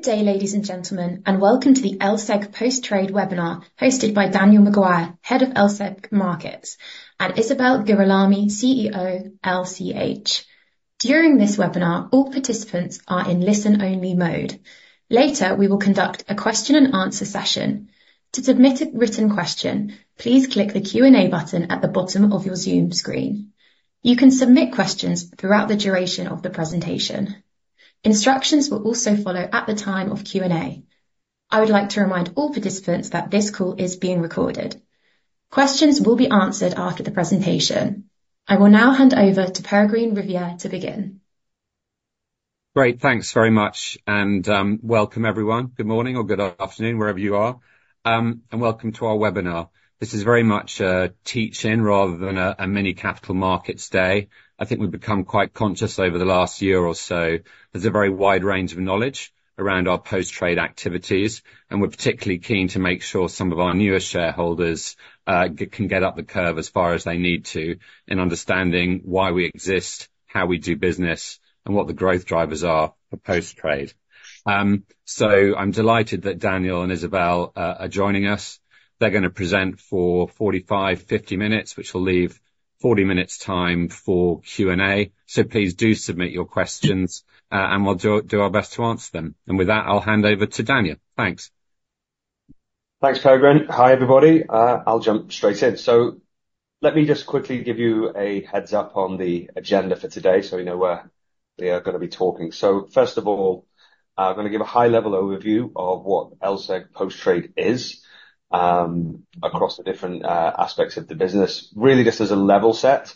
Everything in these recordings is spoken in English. Good day, ladies and gentlemen, and welcome to the LSEG Post Trade webinar, hosted by Daniel Maguire, Head of LSEG Markets, and Isabelle Girolami, CEO, LCH. During this webinar, all participants are in listen-only mode. Later, we will conduct a question-and-answer session. To submit a written question, please click the Q&A button at the bottom of your Zoom screen. You can submit questions throughout the duration of the presentation. Instructions will also follow at the time of Q&A. I would like to remind all participants that this call is being recorded. Questions will be answered after the presentation. I will now hand over to Peregrine Riviere to begin. Great, thanks very much, and welcome, everyone. Good morning or good afternoon, wherever you are, and welcome to our webinar. This is very much a teach-in rather than a mini Capital Markets Day. I think we've become quite conscious over the last year or so, there's a very wide range of knowledge around our post trade activities, and we're particularly keen to make sure some of our newer shareholders can get up the curve as far as they need to in understanding why we exist, how we do business, and what the growth drivers are for post trade. So I'm delighted that Daniel and Isabelle are joining us. They're gonna present for 45, 50 minutes, which will leave 40 minutes time for Q&A, so please do submit your questions, and we'll do our best to answer them. And with that, I'll hand over to Daniel. Thanks. Thanks, Peregrine. Hi, everybody. I'll jump straight in. So let me just quickly give you a heads-up on the agenda for today, so you know where we are gonna be talking. So first of all, I'm gonna give a high-level overview of what LSEG Post Trade is, across the different aspects of the business, really just as a level set.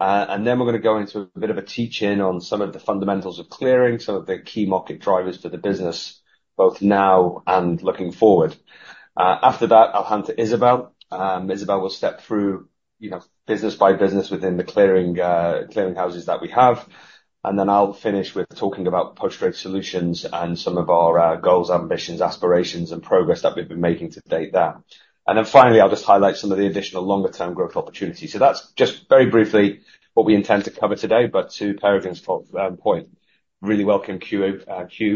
And then we're gonna go into a bit of a teach-in on some of the fundamentals of clearing, some of the key market drivers for the business, both now and looking forward. After that, I'll hand to Isabelle. Isabelle will step through, you know, business by business within the clearing houses that we have. And then I'll finish with talking about Post Trade Solutions and some of our goals, ambitions, aspirations, and progress that we've been making to date there. Then finally, I'll just highlight some of the additional longer-term growth opportunities. So that's just very briefly what we intend to cover today, but to Peregrine's point, really welcome Q,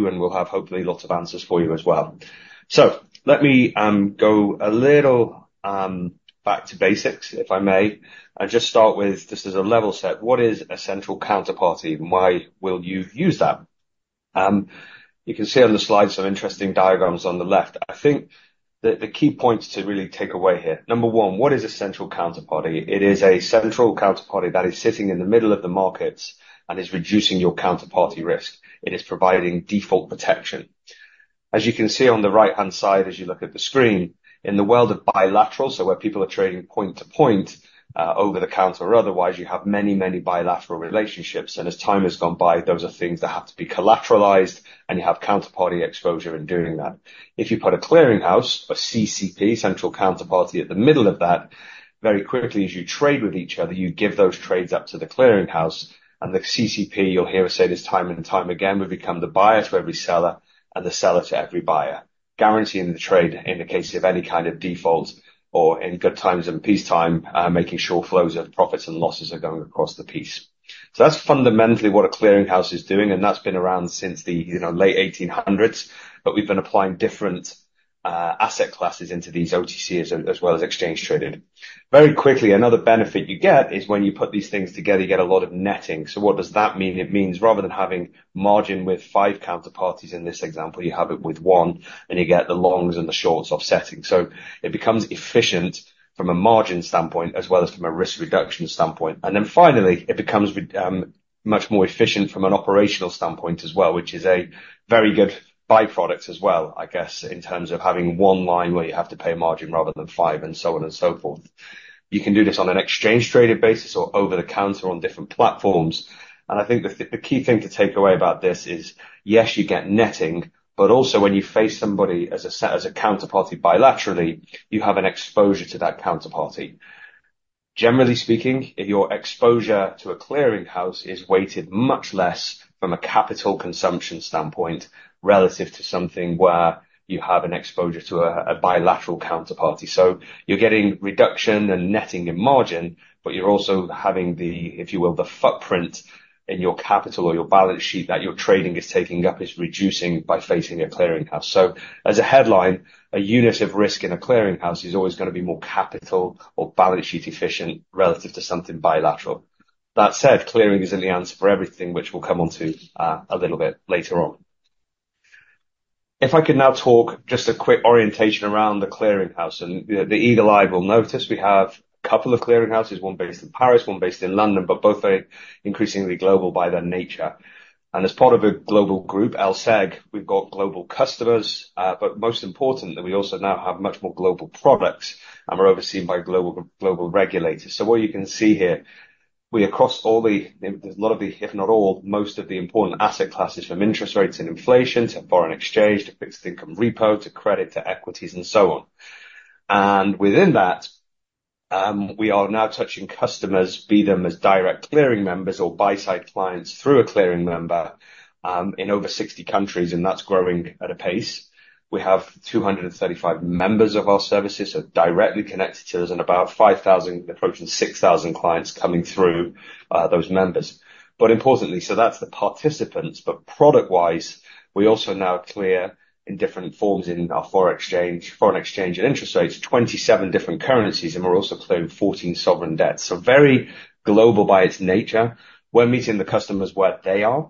and we'll have hopefully lots of answers for you as well. So let me go a little back to basics, if I may, and just start with just as a level set, what is a central counterparty, and why will you use that? You can see on the slide some interesting diagrams on the left. I think that the key points to really take away here, number one, what is a central counterparty? It is a central counterparty that is sitting in the middle of the markets and is reducing your counterparty risk. It is providing default protection. As you can see on the right-hand side, as you look at the screen, in the world of bilateral, so where people are trading point to point, over-the-counter or otherwise, you have many, many bilateral relationships, and as time has gone by, those are things that have to be collateralized, and you have counterparty exposure in doing that. If you put a clearing house, a CCP, central counterparty, at the middle of that, very quickly as you trade with each other, you give those trades up to the clearing house, and the CCP, you'll hear us say this time and time again, will become the buyer to every seller and the seller to every buyer, guaranteeing the trade in the case of any kind of default, or in good times and peacetime, making sure flows of profits and losses are going across the piece. So that's fundamentally what a clearing house is doing, and that's been around since the, you know, late eighteen hundreds, but we've been applying different, asset classes into these OTCs, as well as exchange trading. Very quickly, another benefit you get is when you put these things together, you get a lot of netting. So what does that mean? It means rather than having margin with five counterparties in this example, you have it with one, and you get the longs and the shorts offsetting. So it becomes efficient from a margin standpoint, as well as from a risk reduction standpoint. And then finally, it becomes much more efficient from an operational standpoint as well, which is a very good by-product as well, I guess, in terms of having one line where you have to pay a margin rather than five, and so on and so forth. You can do this on an exchange-traded basis or over-the-counter on different platforms, and I think the key thing to take away about this is, yes, you get netting, but also, when you face somebody as a counterparty bilaterally, you have an exposure to that counterparty. Generally speaking, your exposure to a clearing house is weighted much less from a capital consumption standpoint, relative to something where you have an exposure to a bilateral counterparty. So you're getting reduction and netting in margin, but you're also having, if you will, the footprint in your capital or your balance sheet that your trading is taking up, is reducing by facing a clearing house. So as a headline, a unit of risk in a clearing house is always gonna be more capital or balance sheet efficient relative to something bilateral. That said, clearing isn't the answer for everything, which we'll come onto a little bit later on. If I could now talk just a quick orientation around the clearing house, and the eagle eye will notice we have a couple of clearing houses, one based in Paris, one based in London, but both are increasingly global by their nature. And as part of a global group, LSEG, we've got global customers, but most importantly, we also now have much more global products, and we're overseen by global regulators. So what you can see here, there's a lot of, if not all, most of the important asset classes, from interest rates and inflation, to foreign exchange, to fixed income repo, to credit, to equities, and so on. And within that, we are now touching customers, be them as direct clearing members or buy-side clients through a clearing member, in over 60 countries, and that's growing at a pace. We have 235 members of our services, so directly connected to us, and about 5,000, approaching 6,000 clients coming through those members. But importantly, so that's the participants, but product-wise, we also now clear in different forms in our foreign exchange and interest rates, 27 different currencies, and we're also clearing 14 sovereign debts, so very global by its nature. We're meeting the customers where they are,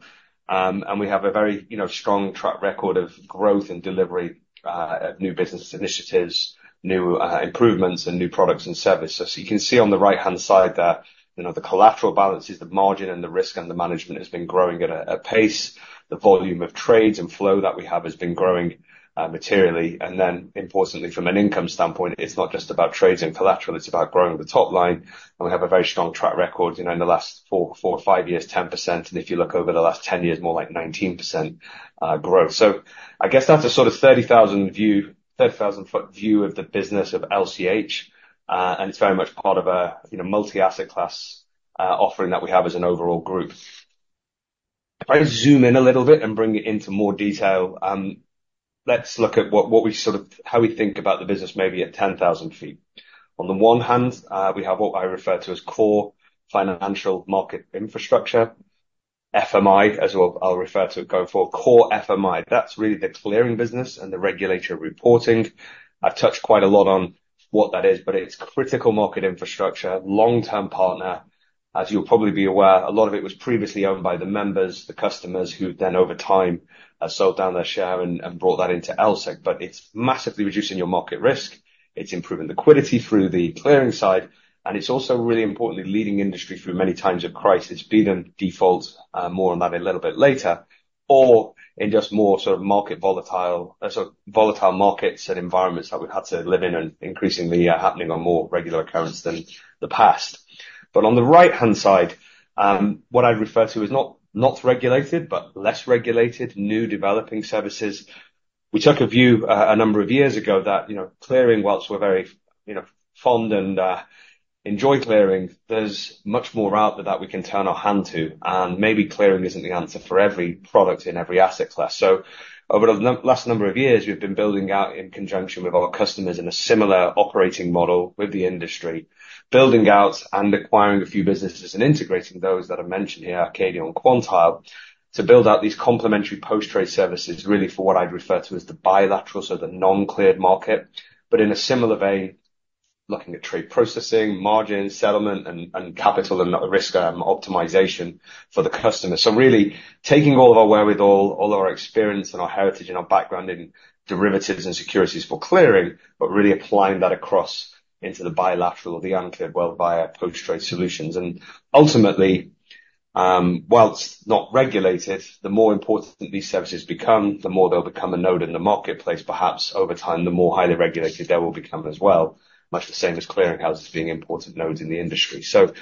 and we have a very, you know, strong track record of growth and delivery of new business initiatives, new improvements, and new products and services. You can see on the right-hand side that, you know, the collateral balances, the margin and the risk, and the management has been growing at pace. The volume of trades and flow that we have has been growing materially, and then importantly, from an income standpoint, it's not just about trades and collateral, it's about growing the top line, and we have a very strong track record, you know, in the last four, five years, 10%, and if you look over the last 10 years, more like 19% growth. So I guess that's a sort of 30,000 ft view... 30,000 ft view of the business of LCH, and it's very much part of a, you know, multi-asset class offering that we have as an overall group. If I zoom in a little bit and bring it into more detail, let's look at what we sort of... How we think about the business, maybe at ten thousand feet. On the one hand, we have what I refer to as core financial market infrastructure, FMI, as well. I'll refer to it going forward, core FMI. That's really the clearing business and the regulatory reporting. I've touched quite a lot on what that is, but it's critical market infrastructure, long-term partner. As you'll probably be aware, a lot of it was previously owned by the members, the customers, who then, over time, sold down their share and brought that into LSEG, but it's massively reducing your market risk, it's improving liquidity through the clearing side, and it's also really importantly, leading industry through many times of crisis, be them default, more on that a little bit later, or in just more sort of market volatile, so volatile markets and environments that we've had to live in and increasingly are happening on more regular occurrence than the past. But on the right-hand side, what I'd refer to as not regulated, but less regulated, new developing services. We took a view a number of years ago that, you know, clearing, whilst we're very, you know, fond and enjoy clearing, there's much more out there that we can turn our hand to, and maybe clearing isn't the answer for every product in every asset class. So over the last number of years, we've been building out in conjunction with our customers in a similar operating model with the industry, building out and acquiring a few businesses and integrating those that I mentioned here, Acadia and Quantile, to build out these complementary post trade services, really for what I'd refer to as the bilateral, so the non-cleared market, but in a similar vein, looking at trade processing, margin, settlement, and capital, and the risk optimization for the customer. So really, taking all of our wherewithal, all our experience and our heritage and our background in derivatives and securities for clearing, but really applying that across into the bilateral or the uncleared world via Post Trade Solutions. and ultimately, while not regulated, the more important these services become, the more they'll become a node in the marketplace. Perhaps over time, the more highly regulated they will become as well, much the same as clearing houses being important nodes in the industry. So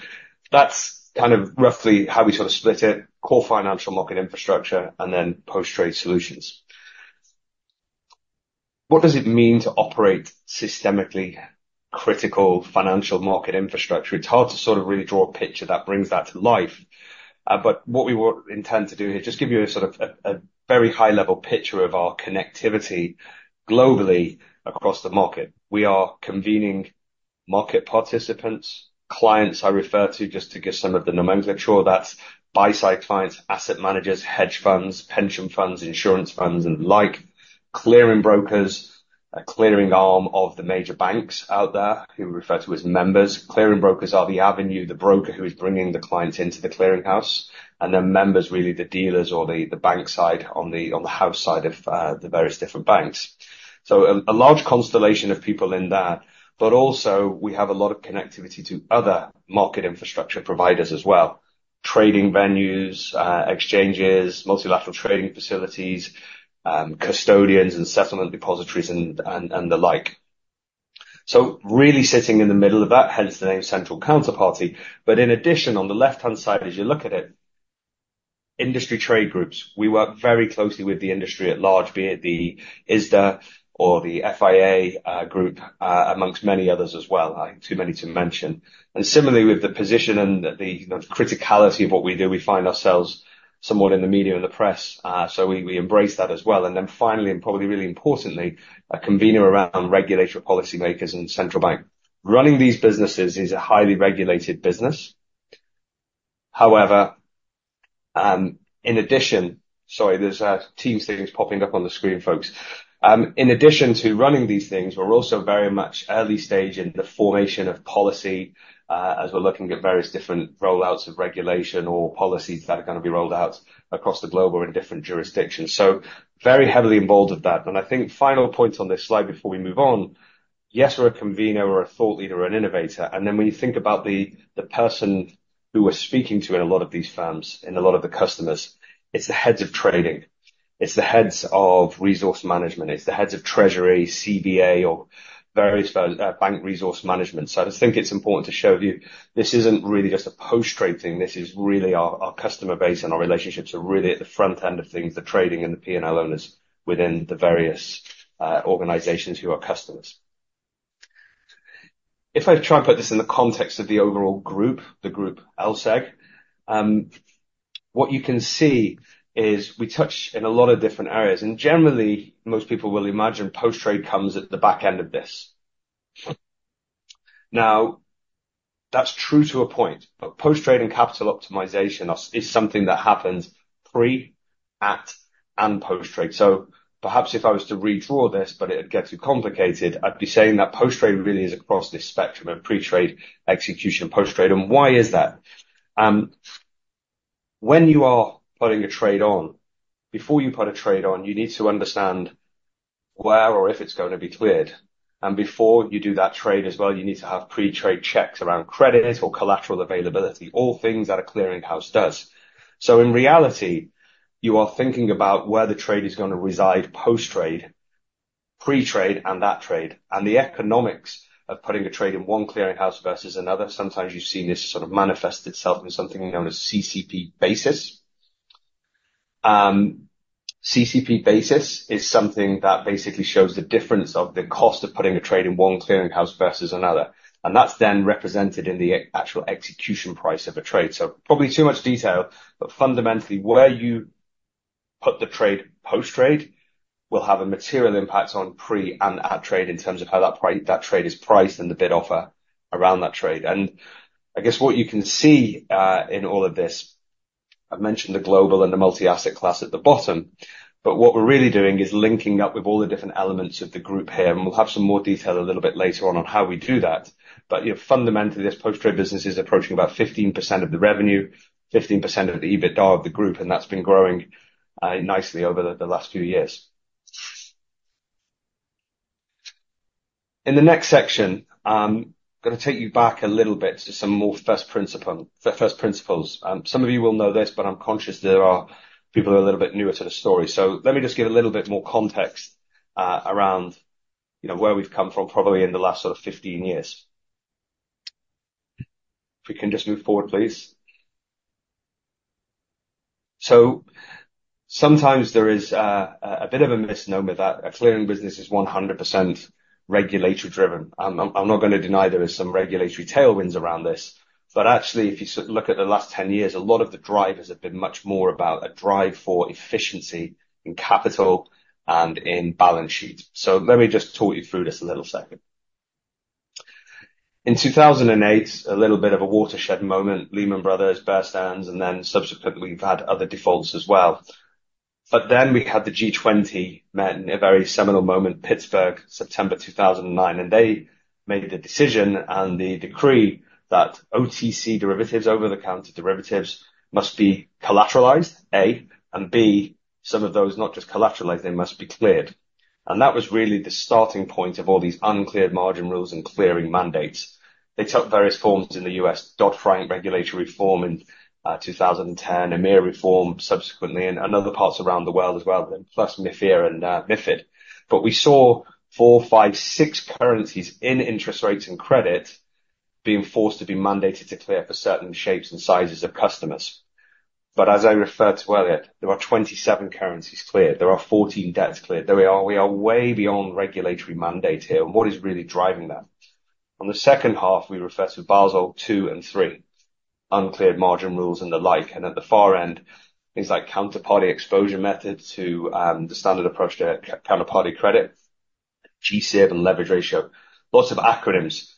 that's kind of roughly how we sort of split it, core financial market infrastructure and then Post Trade Solutions. what does it mean to operate systemically critical financial market infrastructure? It's hard to sort of really draw a picture that brings that to life, but what we will intend to do here, just give you a sort of a very high-level picture of our connectivity globally across the market. We are convening market participants, clients, I refer to, just to give some of the nomenclature that's buy-side clients, asset managers, hedge funds, pension funds, insurance funds and like. Clearing brokers, a clearing arm of the major banks out there, who we refer to as members. Clearing brokers are the avenue, the broker who is bringing the clients into the clearing house, and then members, really the dealers or the bank side on the house side of the various different banks. So, a large constellation of people in there, but also we have a lot of connectivity to other market infrastructure providers as well: trading venues, exchanges, multilateral trading facilities, custodians and settlement depositories and the like. So really sitting in the middle of that, hence the name Central Counterparty, but in addition, on the left-hand side, as you look at it, industry trade groups. We work very closely with the industry at large, be it the ISDA or the FIA group, amongst many others as well, too many to mention. And similarly, with the position and the criticality of what we do, we find ourselves somewhat in the media and the press, so we embrace that as well. And then finally, and probably really importantly, a convener around regulatory policymakers and central bank. Running these businesses is a highly regulated business. However, in addition... Sorry, there's a team statement popping up on the screen, folks. In addition to running these things, we're also very much early stage in the formation of policy, as we're looking at various different rollouts of regulation or policies that are gonna be rolled out across the globe or in different jurisdictions. So very heavily involved with that. And I think final point on this slide before we move on, yes, we're a convener or a thought leader or an innovator, and then when you think about the, the person who we're speaking to in a lot of these firms, in a lot of the customers, it's the heads of trading, it's the heads of resource management, it's the heads of treasury, CVA or various, bank resource management. So I just think it's important to show you, this isn't really just a post trade thing. This is really our customer base, and our relationships are really at the front end of things, the trading and the P&L owners within the various organizations who are customers. If I try and put this in the context of the overall group, the group, LSEG, what you can see is we touch in a lot of different areas, and generally, most people will imagine post trade comes at the back end of this. Now, that's true to a point, but post trade and capital optimization is something that happens pre, at, and post trade. So perhaps if I was to redraw this, but it'd get too complicated, I'd be saying that post trade really is across this spectrum of pre-trade, execution, and post trade. And why is that? When you are putting a trade on, before you put a trade on, you need to understand where or if it's going to be cleared, and before you do that trade as well, you need to have pre-trade checks around credit or collateral availability, all things that a clearing house does, so in reality, you are thinking about where the trade is gonna reside post trade, pre-trade, and that trade, and the economics of putting a trade in one clearing house versus another. Sometimes you see this sort of manifest itself in something known as CCP basis. CCP basis is something that basically shows the difference of the cost of putting a trade in one clearing house versus another, and that's then represented in the actual execution price of a trade. So probably too much detail, but fundamentally, where you put the trade post trade, will have a material impact on pre- and at trade, in terms of how that trade is priced and the bid offer around that trade. And I guess what you can see in all of this, I've mentioned the global and the multi-asset class at the bottom, but what we're really doing is linking up with all the different elements of the group here, and we'll have some more detail a little bit later on how we do that. But, you know, fundamentally, this post trade business is approaching about 15% of the revenue, 15% of the EBITDA of the group, and that's been growing nicely over the last few years. In the next section, I'm gonna take you back a little bit to some more first principles. Some of you will know this, but I'm conscious there are people who are a little bit newer to the story. So let me just give a little bit more context, around, you know, where we've come from, probably in the last sort of 15 years. If we can just move forward, please. So sometimes there is a bit of a misnomer that a clearing business is 100% regulatory driven. I'm not gonna deny there is some regulatory tailwinds around this, but actually, if you look at the last 10 years, a lot of the drivers have been much more about a drive for efficiency in capital and in balance sheet. So let me just talk you through this a little second. In 2008, a little bit of a watershed moment, Lehman Brothers, Bear Stearns, and then subsequently, we've had other defaults as well. But then we had the G20 met in a very seminal moment, Pittsburgh, September 2009, and they made the decision and the decree that OTC derivatives, over-the-counter derivatives, must be collateralized, A, and B, some of those, not just collateralized, they must be cleared. And that was really the starting point of all these Uncleared Margin Rules and clearing mandates. They took various forms in the U.S., Dodd-Frank regulatory reform in 2010, EMIR reform subsequently, and in other parts around the world as well, plus MiFIR and MiFID. But we saw four, five, six currencies in interest rates and credit being forced to be mandated to clear for certain shapes and sizes of customers. But as I referred to earlier, there are 27 currencies cleared, there are 14 debts cleared. There we are, we are way beyond regulatory mandate here, and what is really driving that? On the second half, we refer to Basel II and III, Uncleared Margin Rules and the like, and at the far end, things like Counterparty Exposure Method to the Standard Approach to Counterparty Credit, G-SIB and leverage ratio. Lots of acronyms.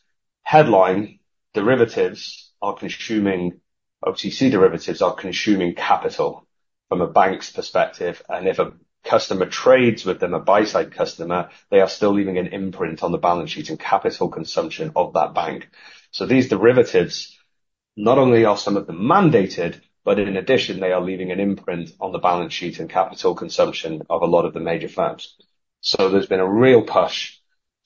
OTC derivatives are consuming capital from a bank's perspective, and if a customer trades with them, a buy-side customer, they are still leaving an imprint on the balance sheet and capital consumption of that bank. So these derivatives, not only are some of them mandated, but in addition, they are leaving an imprint on the balance sheet and capital consumption of a lot of the major firms. So there's been a real push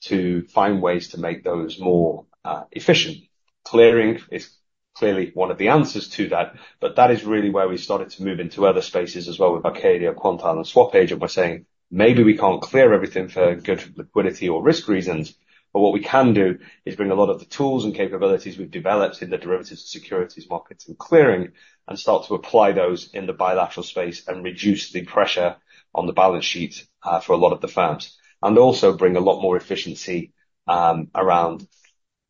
to find ways to make those more efficient. Clearing is clearly one of the answers to that, but that is really where we started to move into other spaces as well, with Acadia, Quantile and SwapAgent by saying, "Maybe we can't clear everything for good liquidity or risk reasons, but what we can do is bring a lot of the tools and capabilities we've developed in the derivatives, securities, markets, and clearing, and start to apply those in the bilateral space, and reduce the pressure on the balance sheet for a lot of the firms. And also bring a lot more efficiency around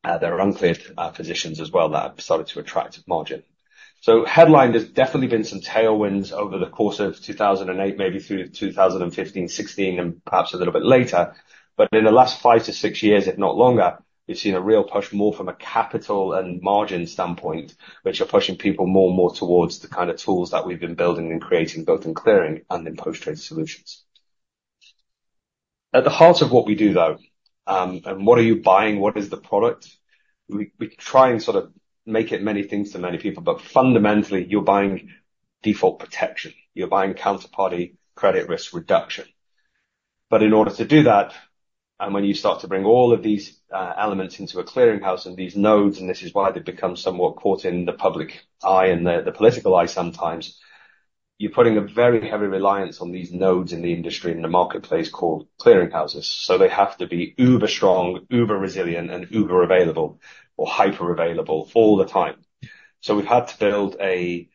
their uncleared positions as well, that have started to attract margin." So, headline, there's definitely been some tailwinds over the course of 2008, maybe through 2015-2016, and perhaps a little bit later, but in the last five to six years, if not longer, we've seen a real push, more from a capital and margin standpoint, which are pushing people more and more towards the kind of tools that we've been building and creating, both in clearing and then Post Trade Solutions. at the heart of what we do, though, and what are you buying? What is the product? We try and sort of make it many things to many people, but fundamentally, you're buying default protection. You're buying counterparty credit risk reduction. But in order to do that, and when you start to bring all of these elements into a clearinghouse and these nodes, and this is why they've become somewhat caught in the public eye and the political eye sometimes, you're putting a very heavy reliance on these nodes in the industry, in the marketplace called clearinghouses. So they have to be uber strong, uber resilient, and uber available, or hyper available all the time. So we've had to build a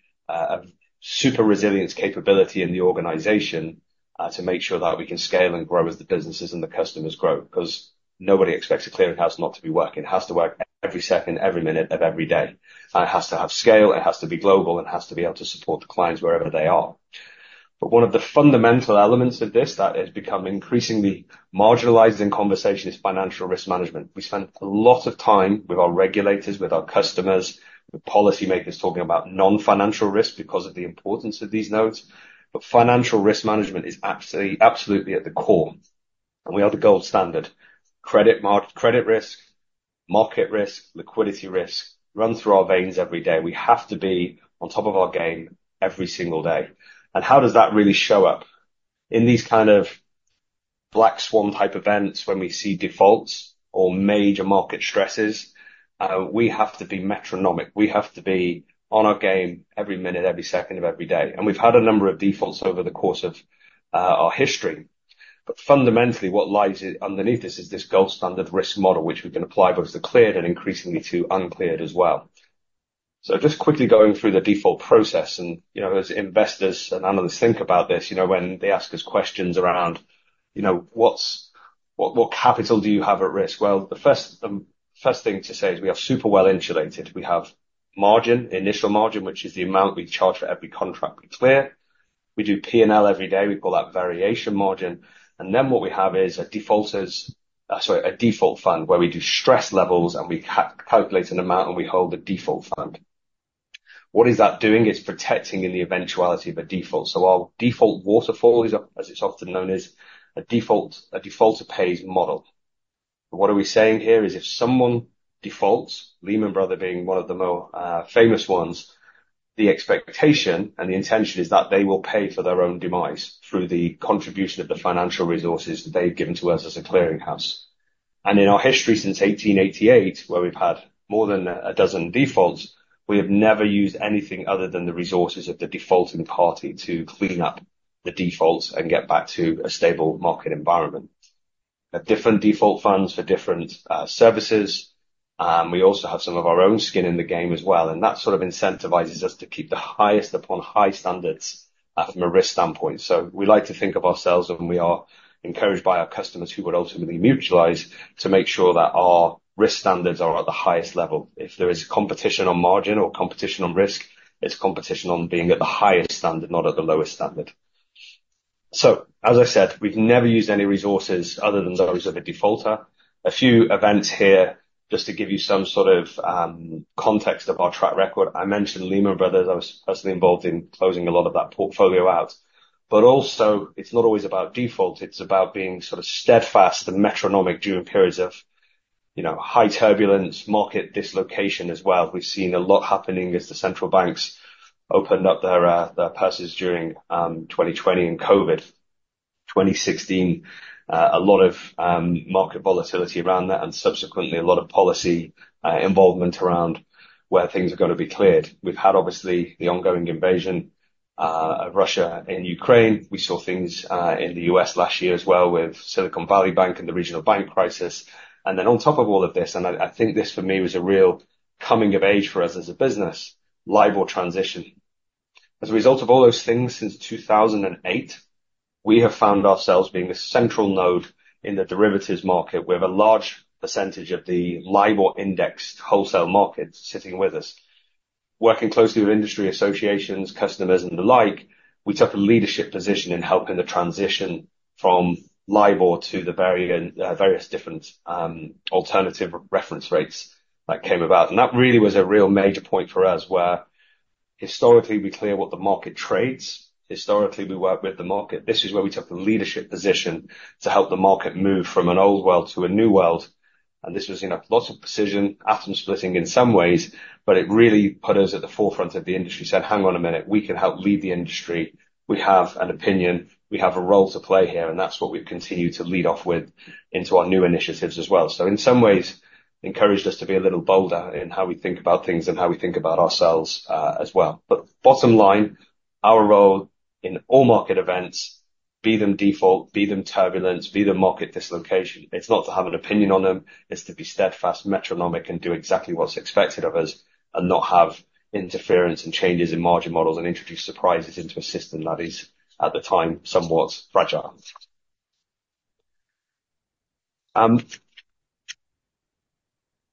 super resilient capability in the organization to make sure that we can scale and grow as the businesses and the customers grow, 'cause nobody expects a clearing house not to be working. It has to work every second, every minute of every day. And it has to have scale, it has to be global, and it has to be able to support the clients wherever they are. But one of the fundamental elements of this that has become increasingly marginalized in conversation, is financial risk management. We spent a lot of time with our regulators, with our customers, with policymakers, talking about non-financial risk because of the importance of these nodes. But financial risk management is absolutely, absolutely at the core, and we are the gold standard. Credit risk, market risk, liquidity risk, run through our veins every day. We have to be on top of our game every single day. And how does that really show up? In these kind of black swan type events, when we see defaults or major market stresses, we have to be metronomic, we have to be on our game every minute, every second of every day. We've had a number of defaults over the course of our history. Fundamentally, what lies underneath this is this gold standard risk model, which we've been applied both to cleared and increasingly to uncleared as well. Just quickly going through the default process, and, you know, as investors and analysts think about this, you know, when they ask us questions around, you know, what capital do you have at risk? The first thing to say is we are super well-insulated. We have margin, initial margin, which is the amount we charge for every contract we clear. We do P&L every day; we call that variation margin. And then what we have is a default fund, where we do stress levels and we calculate an amount, and we hold a default fund. What is that doing? It's protecting in the eventuality of a default. So our default waterfall is, as it's often known as, a default, a defaulter pays model. What are we saying here is if someone defaults, Lehman Brothers being one of the more famous ones, the expectation and the intention is that they will pay for their own demise through the contribution of the financial resources that they've given to us as a clearinghouse. In our history since 1888, where we've had more than a dozen defaults, we have never used anything other than the resources of the defaulting party to clean up the defaults and get back to a stable market environment. At different default funds for different services, we also have some of our own skin in the game as well, and that sort of incentivizes us to keep the highest of high standards from a risk standpoint. So we like to think of ourselves, and we are encouraged by our customers, who would ultimately mutualize, to make sure that our risk standards are at the highest level. If there is competition on margin or competition on risk, it's competition on being at the highest standard, not at the lowest standard. So, as I said, we've never used any resources other than those of a defaulter. A few events here, just to give you some sort of context of our track record. I mentioned Lehman Brothers. I was personally involved in closing a lot of that portfolio out, but also, it's not always about default, it's about being sort of steadfast and metronomic during periods of, you know, high turbulence, market dislocation as well. We've seen a lot happening as the central banks opened up their purses during 2020 and COVID. 2016, a lot of market volatility around that and subsequently a lot of policy involvement around where things are gonna be cleared. We've had, obviously, the ongoing invasion of Russia in Ukraine. We saw things in the U.S. last year as well with Silicon Valley Bank and the regional bank crisis. And then on top of all of this, and I, I think this, for me, was a real coming of age for us as a business, LIBOR transition. As a result of all those things since two thousand and eight, we have found ourselves being the central node in the derivatives market, with a large percentage of the LIBOR-indexed wholesale market sitting with us. Working closely with industry associations, customers, and the like, we took a leadership position in helping the transition from LIBOR to the variant various different alternative reference rates that came about. And that really was a real major point for us, where historically we clear what the market trades, historically, we work with the market. This is where we took a leadership position to help the market move from an old world to a new world. And this was, you know, lots of precision, atom splitting in some ways, but it really put us at the forefront of the industry, saying, "Hang on a minute, we can help lead the industry. We have an opinion, we have a role to play here," and that's what we've continued to lead off with into our new initiatives as well. So in some ways, encouraged us to be a little bolder in how we think about things and how we think about ourselves, as well. But bottom line, our role in all market events, be them default, be them turbulence, be them market dislocation, it's not to have an opinion on them, it's to be steadfast, metronomic, and do exactly what's expected of us, and not have interference and changes in margin models and introduce surprises into a system that is, at the time, somewhat fragile. We'll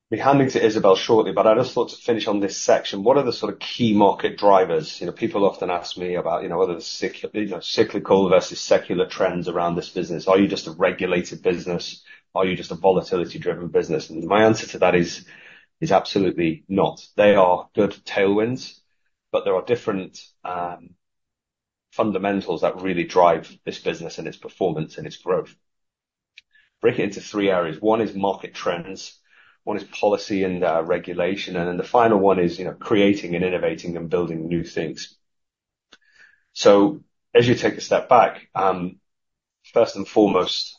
be handing to Isabelle shortly, but I just thought to finish on this section. What are the sort of key market drivers? You know, people often ask me about, you know, whether it's cyclical versus secular trends around this business. Are you just a regulated business? Are you just a volatility-driven business? And my answer to that is absolutely not. They are good tailwinds, but there are different fundamentals that really drive this business and its performance and its growth. Breaking into three areas. One is market trends, one is policy and regulation, and then the final one is, you know, creating and innovating and building new things. As you take a step back, first and foremost,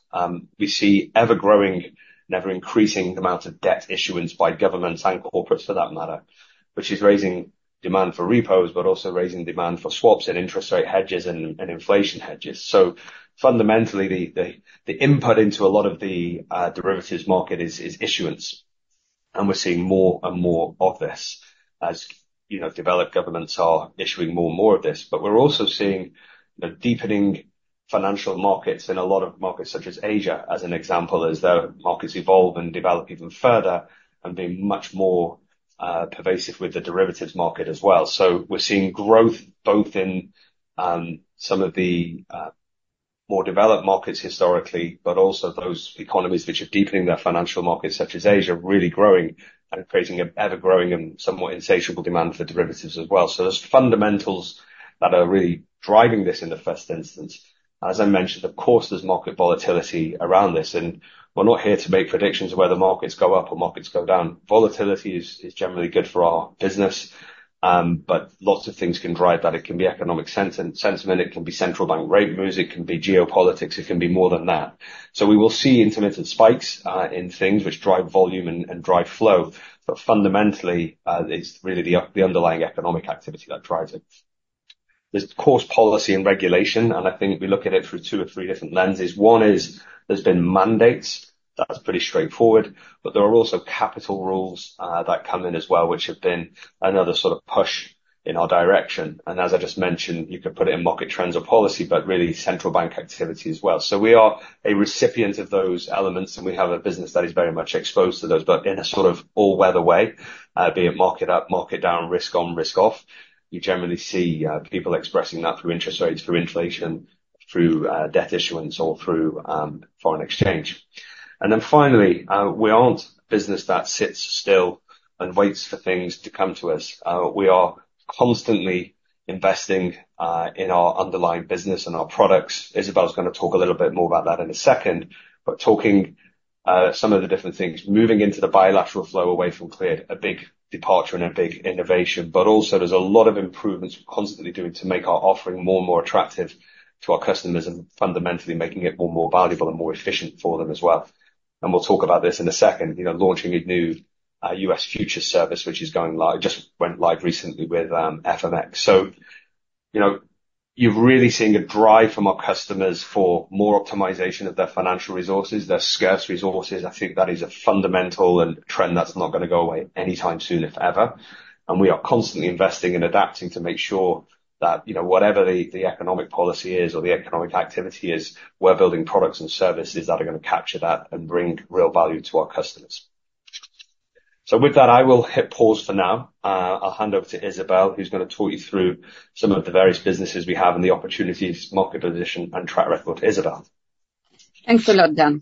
we see ever-growing, never increasing amount of debt issuance by governments and corporates, for that matter, which is raising demand for repos, but also raising demand for swaps and interest rate hedges and inflation hedges. Fundamentally, the input into a lot of the derivatives market is issuance. We're seeing more and more of this as, you know, developed governments are issuing more and more of this. But we're also seeing the deepening financial markets in a lot of markets, such as Asia, as an example, as their markets evolve and develop even further and being much more pervasive with the derivatives market as well. So we're seeing growth both in some of the more developed markets historically, but also those economies which are deepening their financial markets, such as Asia, really growing and creating an ever-growing and somewhat insatiable demand for derivatives as well. So there's fundamentals that are really driving this in the first instance. As I mentioned, of course, there's market volatility around this, and we're not here to make predictions of whether markets go up or markets go down. Volatility is generally good for our business, but lots of things can drive that. It can be economic sentiment, it can be central bank rate moves, it can be geopolitics, it can be more than that. So we will see intermittent spikes in things which drive volume and drive flow. But fundamentally, it's really the underlying economic activity that drives it. There's, of course, policy and regulation, and I think if we look at it through two or three different lenses, one is there's been mandates. That's pretty straightforward. But there are also capital rules that come in as well, which have been another sort of push in our direction. And as I just mentioned, you could put it in market trends or policy, but really central bank activity as well. So we are a recipient of those elements, and we have a business that is very much exposed to those, but in a sort of all-weather way, be it market up, market down, risk on, risk off. You generally see people expressing that through interest rates, through inflation, through debt issuance or through foreign exchange. And then finally, we aren't a business that sits still and waits for things to come to us. We are constantly investing in our underlying business and our products. Isabelle is gonna talk a little bit more about that in a second. Talking some of the different things, moving into the bilateral flow away from clear, a big departure and a big innovation. Also there's a lot of improvements we're constantly doing to make our offering more and more attractive to our customers and fundamentally making it more and more valuable and more efficient for them as well. We'll talk about this in a second. You know, launching a new U.S. futures service, which is going live, just went live recently with FMX. You know, you've really seen a drive from our customers for more optimization of their financial resources, their scarce resources. I think that is a fundamental trend that's not gonna go away anytime soon, if ever. And we are constantly investing and adapting to make sure that, you know, whatever the, the economic policy is or the economic activity is, we're building products and services that are gonna capture that and bring real value to our customers. So with that, I will hit pause for now. I'll hand over to Isabelle, who's gonna talk you through some of the various businesses we have and the opportunities, market position, and track record. Isabelle? Thanks a lot, Dan.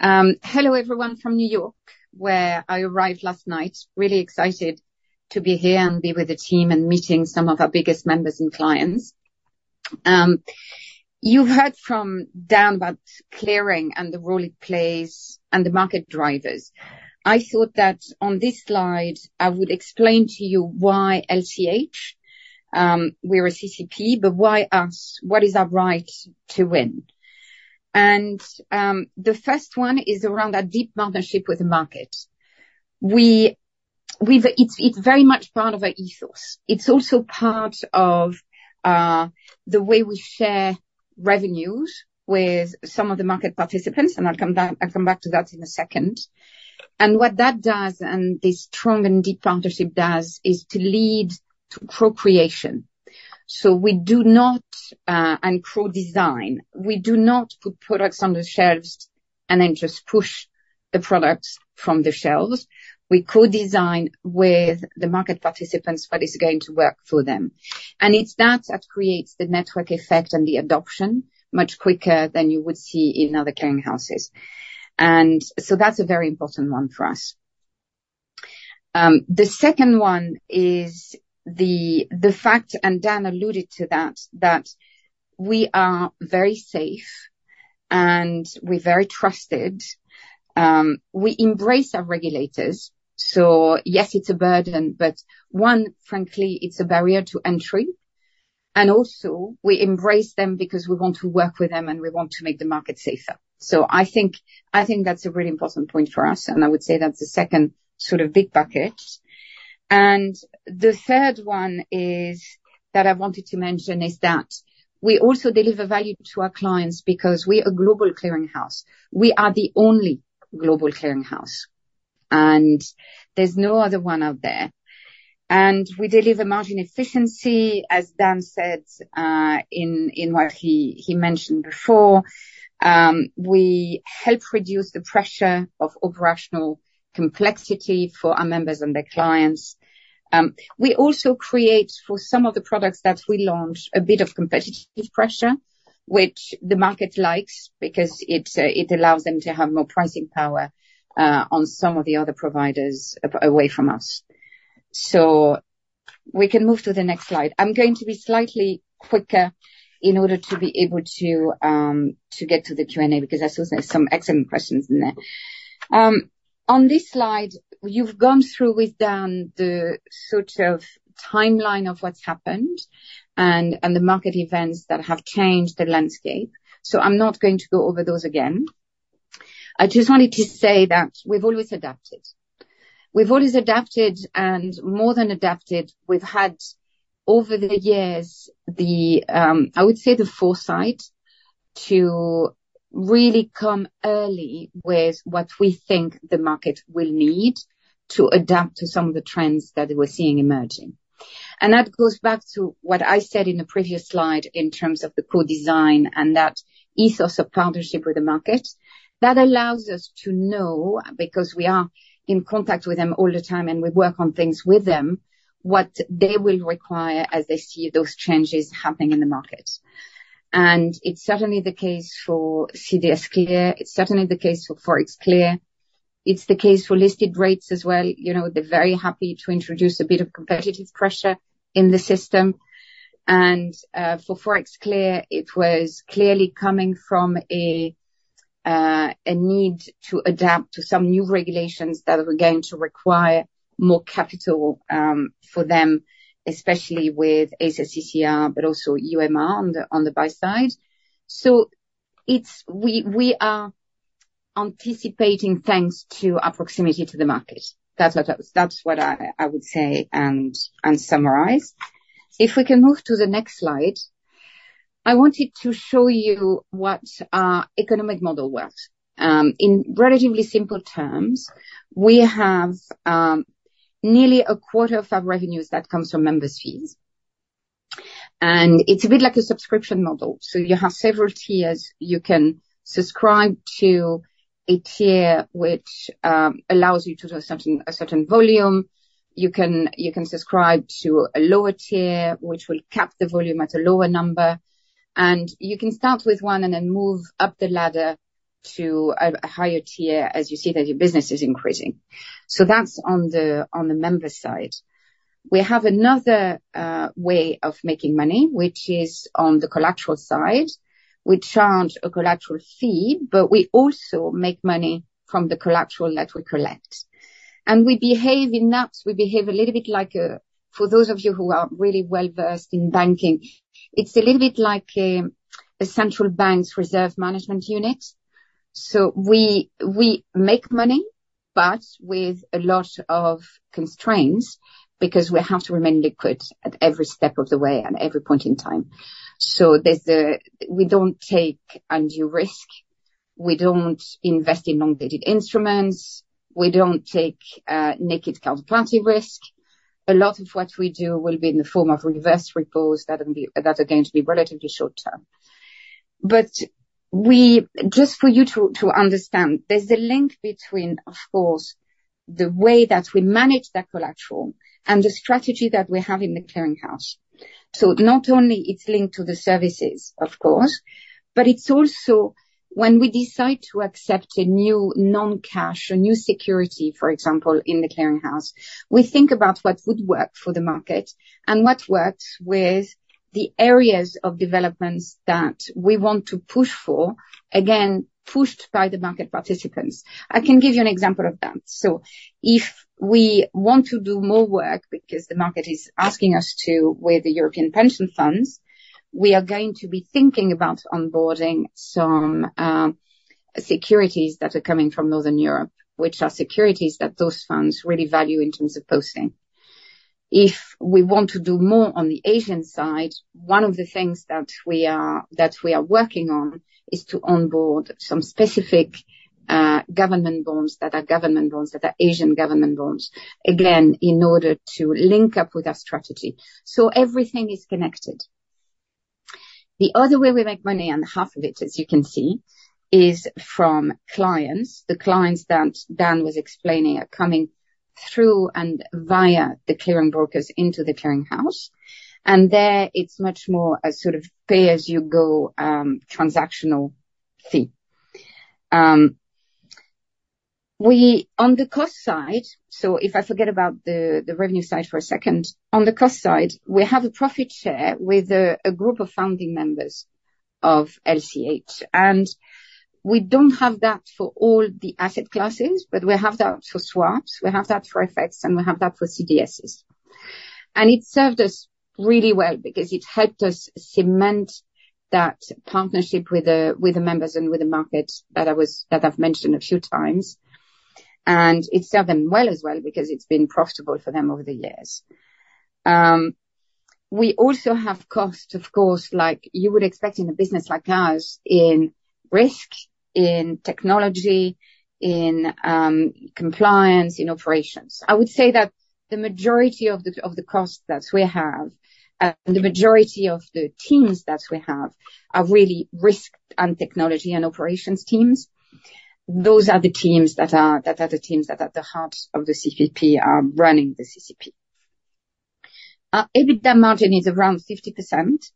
Hello, everyone, from New York, where I arrived last night. Really excited to be here and be with the team and meeting some of our biggest members and clients. You've heard from Dan about clearing and the role it plays and the market drivers. I thought that on this slide, I would explain to you why LCH. We're a CCP, but why us? What is our right to win? And the first one is around our deep partnership with the market. We've. It's very much part of our ethos. It's also part of the way we share revenues with some of the market participants, and I'll come back to that in a second, and what that does, and this strong and deep partnership does, is to lead to co-creation. So we do not put products on the shelves and then just push the products from the shelves. We co-design with the market participants, what is going to work for them. And it's that that creates the network effect and the adoption much quicker than you would see in other clearing houses. And so that's a very important one for us. The second one is the fact, and Dan alluded to that, that we are very safe, and we're very trusted. We embrace our regulators, so yes, it's a burden, but one, frankly, it's a barrier to entry, and also we embrace them because we want to work with them, and we want to make the market safer. So I think that's a really important point for us, and I would say that's the second sort of big bucket. And the third one is, that I wanted to mention, is that we also deliver value to our clients because we're a global clearinghouse. We are the only global clearinghouse, and there's no other one out there. And we deliver margin efficiency, as Dan said, in what he mentioned before. We help reduce the pressure of operational complexity for our members and their clients. We also create, for some of the products that we launch, a bit of competitive pressure, which the market likes because it allows them to have more pricing power on some of the other providers away from us. So we can move to the next slide. I'm going to be slightly quicker in order to be able to, to get to the Q&A, because I suppose there's some excellent questions in there. On this slide, you've gone through with Dan the sort of timeline of what's happened and the market events that have changed the landscape. So I'm not going to go over those again. I just wanted to say that we've always adapted. We've always adapted, and more than adapted, over the years, I would say the foresight to really come early with what we think the market will need to adapt to some of the trends that we're seeing emerging, and that goes back to what I said in the previous slide in terms of the co-design and that ethos of partnership with the market. That allows us to know, because we are in contact with them all the time, and we work on things with them, what they will require as they see those changes happening in the market. And it's certainly the case for CDSClear, it's certainly the case for ForexClear, it's the case for Listed Rates as well. You know, they're very happy to introduce a bit of competitive pressure in the system. And, for ForexClear, it was clearly coming from a need to adapt to some new regulations that were going to require more capital for them, especially with SA-CCR, but also UMR on the buy side. So we are anticipating thanks to our proximity to the market. That's what I would say and summarize. If we can move to the next slide. I wanted to show you what our economic model was. In relatively simple terms, we have nearly a quarter of our revenues that comes from members' fees. And it's a bit like a subscription model, so you have several tiers. You can subscribe to a tier which allows you to do something-- a certain volume. You can subscribe to a lower tier, which will cap the volume at a lower number, and you can start with one and then move up the ladder to a higher tier as you see that your business is increasing. So that's on the member side. We have another way of making money, which is on the collateral side. We charge a collateral fee, but we also make money from the collateral that we collect. And we behave in that a little bit like a ... For those of you who are really well-versed in banking, it's a little bit like a central bank's reserve management unit. So we make money, but with a lot of constraints, because we have to remain liquid at every step of the way and every point in time. We don't take undue risk, we don't invest in long-dated instruments, we don't take naked counterparty risk. A lot of what we do will be in the form of reverse repos that are going to be relatively short term. But, just for you to understand, there's a link between, of course, the way that we manage that collateral and the strategy that we have in the clearing house. Not only it's linked to the services, of course, but it's also when we decide to accept a new non-cash, a new security, for example, in the clearing house, we think about what would work for the market and what works with the areas of developments that we want to push for, again, pushed by the market participants. I can give you an example of that. If we want to do more work, because the market is asking us to, with the European pension funds, we are going to be thinking about onboarding some securities that are coming from Northern Europe, which are securities that those funds really value in terms of posting. If we want to do more on the Asian side, one of the things that we are working on is to onboard some specific government bonds that are Asian government bonds, again, in order to link up with our strategy. So everything is connected. The other way we make money, and half of it, as you can see, is from clients. The clients that Dan was explaining are coming through and via the clearing brokers into the clearing house, and there it's much more a sort of pay-as-you-go transactional fee. On the cost side, so if I forget about the revenue side for a second. On the cost side, we have a profit share with a group of founding members of LCH, and we don't have that for all the asset classes, but we have that for swaps, we have that for FX, and we have that for CDSs. It served us really well because it helped us cement that partnership with the members and with the market that I've mentioned a few times. It served them well as well, because it's been profitable for them over the years. We also have costs, of course, like you would expect in a business like ours, in risk, in technology, in compliance, in operations. I would say that the majority of the costs that we have, the majority of the teams that we have are really risk and technology and operations teams. Those are the teams that are the teams that at the heart of the CCP are running the CCP. Our EBITDA margin is around 50%,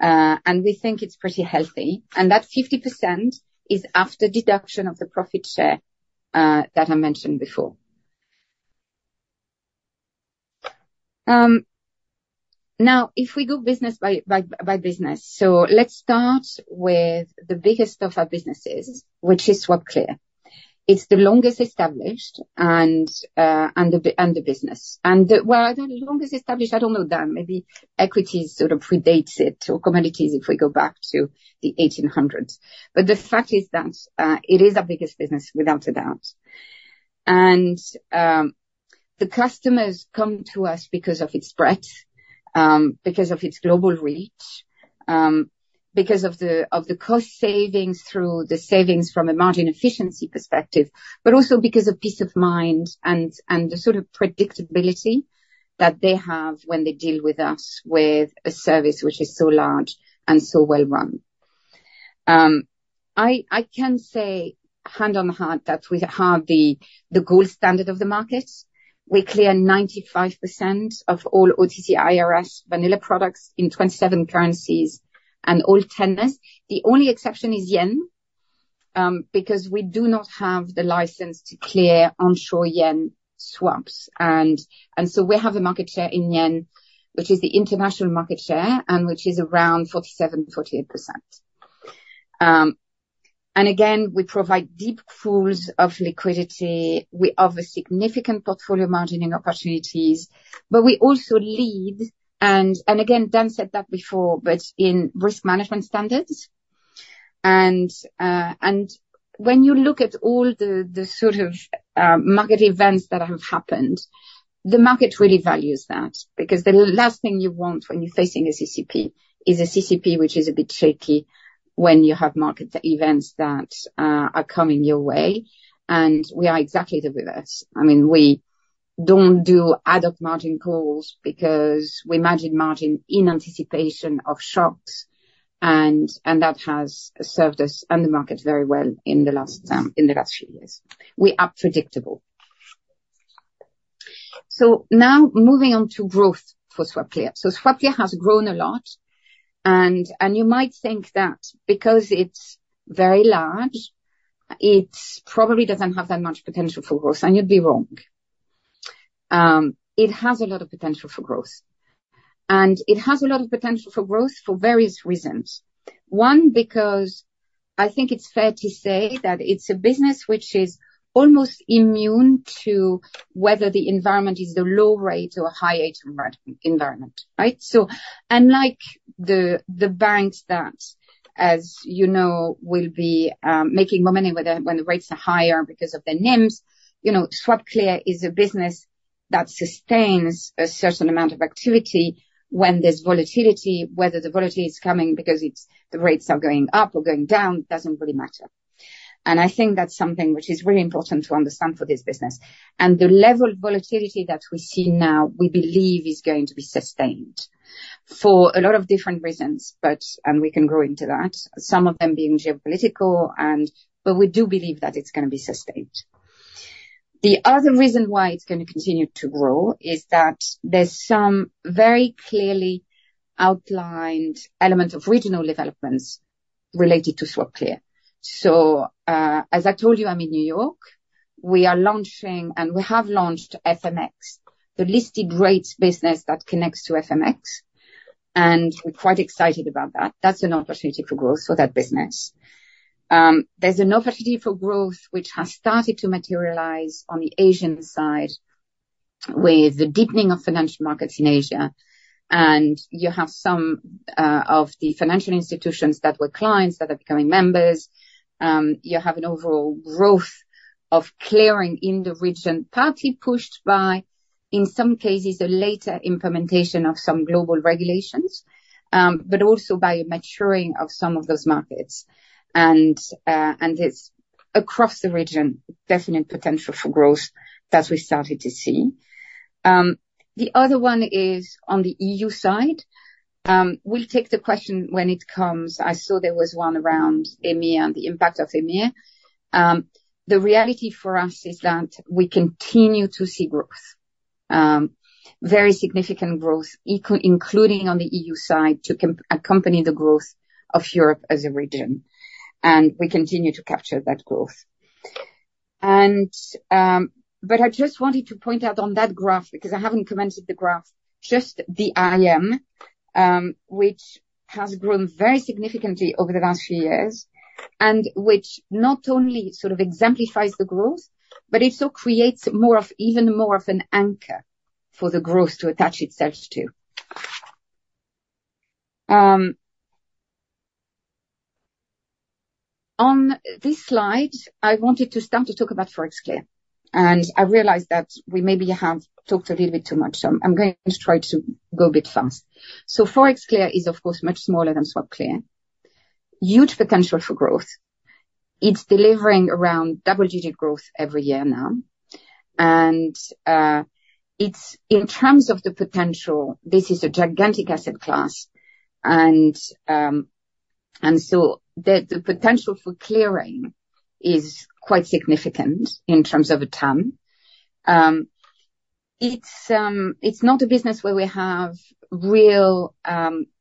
and we think it's pretty healthy, and that 50% is after deduction of the profit share that I mentioned before. Now, if we go business by business, so let's start with the biggest of our businesses, which is SwapClear. It's the longest established and the business. And, well, the longest established, I don't know that, maybe equities sort of predates it, or commodities, if we go back to the eighteen hundreds. But the fact is that it is our biggest business without a doubt. The customers come to us because of its breadth, because of its global reach, because of the cost savings through the savings from a margin efficiency perspective, but also because of peace of mind and the sort of predictability that they have when they deal with us with a service which is so large and so well run. I can say hand on heart that we have the gold standard of the market. We clear 95% of all OTC IRS vanilla products in 27 currencies and all tenors. The only exception is yen, because we do not have the license to clear onshore yen swaps. We have a market share in yen, which is the international market share, and which is around 47%-48%. We provide deep pools of liquidity. We offer significant portfolio margining opportunities, but we also lead, and again, Dan said that before, but in risk management standards. And when you look at all the market events that have happened, the market really values that, because the last thing you want when you're facing a CCP, is a CCP, which is a bit shaky when you have market events that are coming your way. And we are exactly the reverse. I mean, we don't do ad hoc margin calls because we margin in anticipation of shocks, and that has served us and the market very well in the last few years. We are predictable. So now moving on to growth for SwapClear. So SwapClear has grown a lot, and you might think that because it's very large, it's probably doesn't have that much potential for growth, and you'd be wrong. It has a lot of potential for growth for various reasons. One, because I think it's fair to say that it's a business which is almost immune to whether the environment is a low rate or a high rate environment, right? So unlike the banks that, as you know, will be making more money when the rates are higher because of their NIMs, you know, SwapClear is a business that sustains a certain amount of activity when there's volatility, whether the volatility is coming because it's the rates are going up or going down, doesn't really matter. I think that's something which is really important to understand for this business. The level of volatility that we see now, we believe is going to be sustained for a lot of different reasons, but. We can grow into that. Some of them being geopolitical, and but we do believe that it's going to be sustained. The other reason why it's going to continue to grow is that there's some very clearly outlined elements of regional developments related to SwapClear. So, as I told you, I'm in New York. We are launching, and we have launched FMX, the Listed Rates business that connects to FMX, and we're quite excited about that. That's an opportunity for growth for that business. There's an opportunity for growth which has started to materialize on the Asian side with the deepening of financial markets in Asia, and you have some of the financial institutions that were clients that are becoming members. You have an overall growth of clearing in the region, partly pushed by, in some cases, a later implementation of some global regulations, but also by maturing of some of those markets, and it's across the region, definite potential for growth that we started to see. The other one is on the EU side. We'll take the question when it comes. I saw there was one around EMIR and the impact of EMIR. The reality for us is that we continue to see growth, very significant growth, including on the EU side, to accompany the growth of Europe as a region, and we continue to capture that growth. And, but I just wanted to point out on that graph, because I haven't commented on the graph, just the IM, which has grown very significantly over the last few years, and which not only sort of exemplifies the growth, but it also creates more of even more of an anchor for the growth to attach itself to. On this slide, I wanted to start to talk about ForexClear, and I realize that we maybe have talked a little bit too much, so I'm going to try to go a bit fast. ForexClear is, of course, much smaller than SwapClear. Huge potential for growth. It's delivering around double-digit growth every year now. And, it's... In terms of the potential, this is a gigantic asset class, and so the potential for clearing is quite significant in terms of a TAM. It's not a business where we have real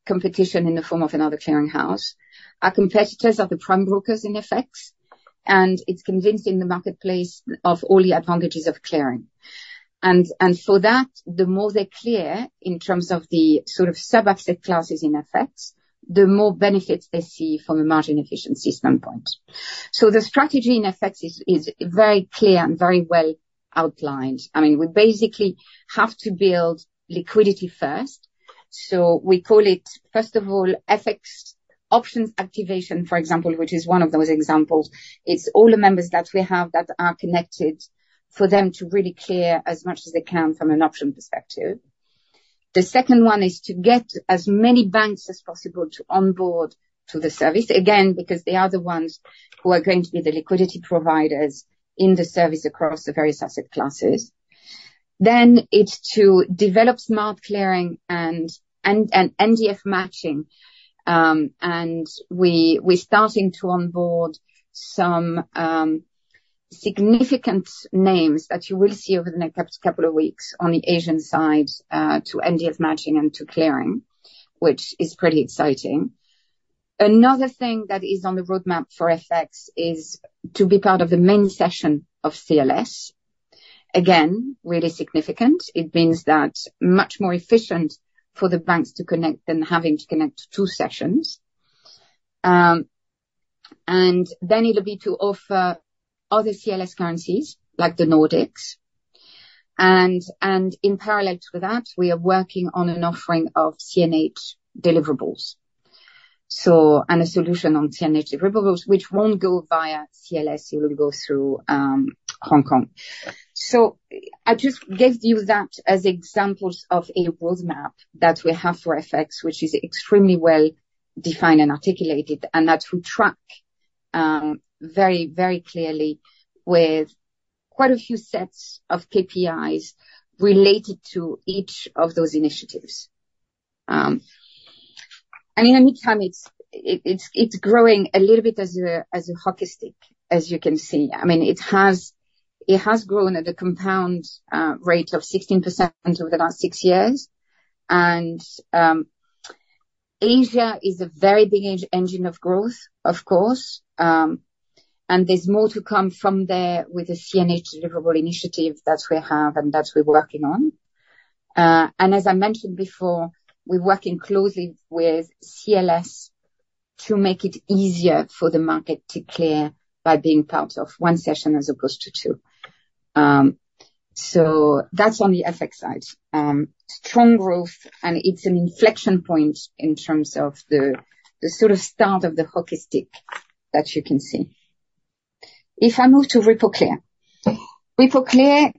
competition in the form of another clearing house. Our competitors are the prime brokers in FX, and it's convincing the marketplace of all the advantages of clearing. And for that, the more they clear in terms of the sort of sub-asset classes in FX, the more benefits they see from a margin efficiency standpoint. So the strategy in FX is very clear and very well outlined. I mean, we basically have to build liquidity first. So we call it, first of all, FX Options activation, for example, which is one of those examples, it's all the members that we have that are connected for them to really clear as much as they can from an option perspective. The second one is to get as many banks as possible to onboard to the service, again, because they are the ones who are going to be the liquidity providers in the service across the various asset classes. Then it's to develop Smart Clearing and NDF matching. And we are starting to onboard some significant names that you will see over the next couple of weeks on the Asian side to NDF matching and to clearing, which is pretty exciting. Another thing that is on the roadmap for FX is to be part of the main session of CLS. Again, really significant. It means that much more efficient for the banks to connect than having to connect two sessions. And then it'll be to offer other CLS currencies, like the Nordics. In parallel to that, we are working on an offering of CNH deliverables. So and a solution on CNH deliverables, which won't go via CLS, it will go through Hong Kong. So I just gave you that as examples of a roadmap that we have for FX, which is extremely well-defined and articulated, and that we track very, very clearly with quite a few sets of KPIs related to each of those initiatives. And in the meantime, it's growing a little bit as a hockey stick, as you can see. I mean, it has grown at a compound rate of 16% over the last six years. Asia is a very big engine of growth, of course, and there's more to come from there with the CNH deliverable initiative that we have and that we're working on. And as I mentioned before, we're working closely with CLS to make it easier for the market to clear by being part of one session as opposed to two. So that's on the FX side. Strong growth, and it's an inflection point in terms of the sort of start of the hockey stick that you can see. If I move to RepoClear. RepoClear,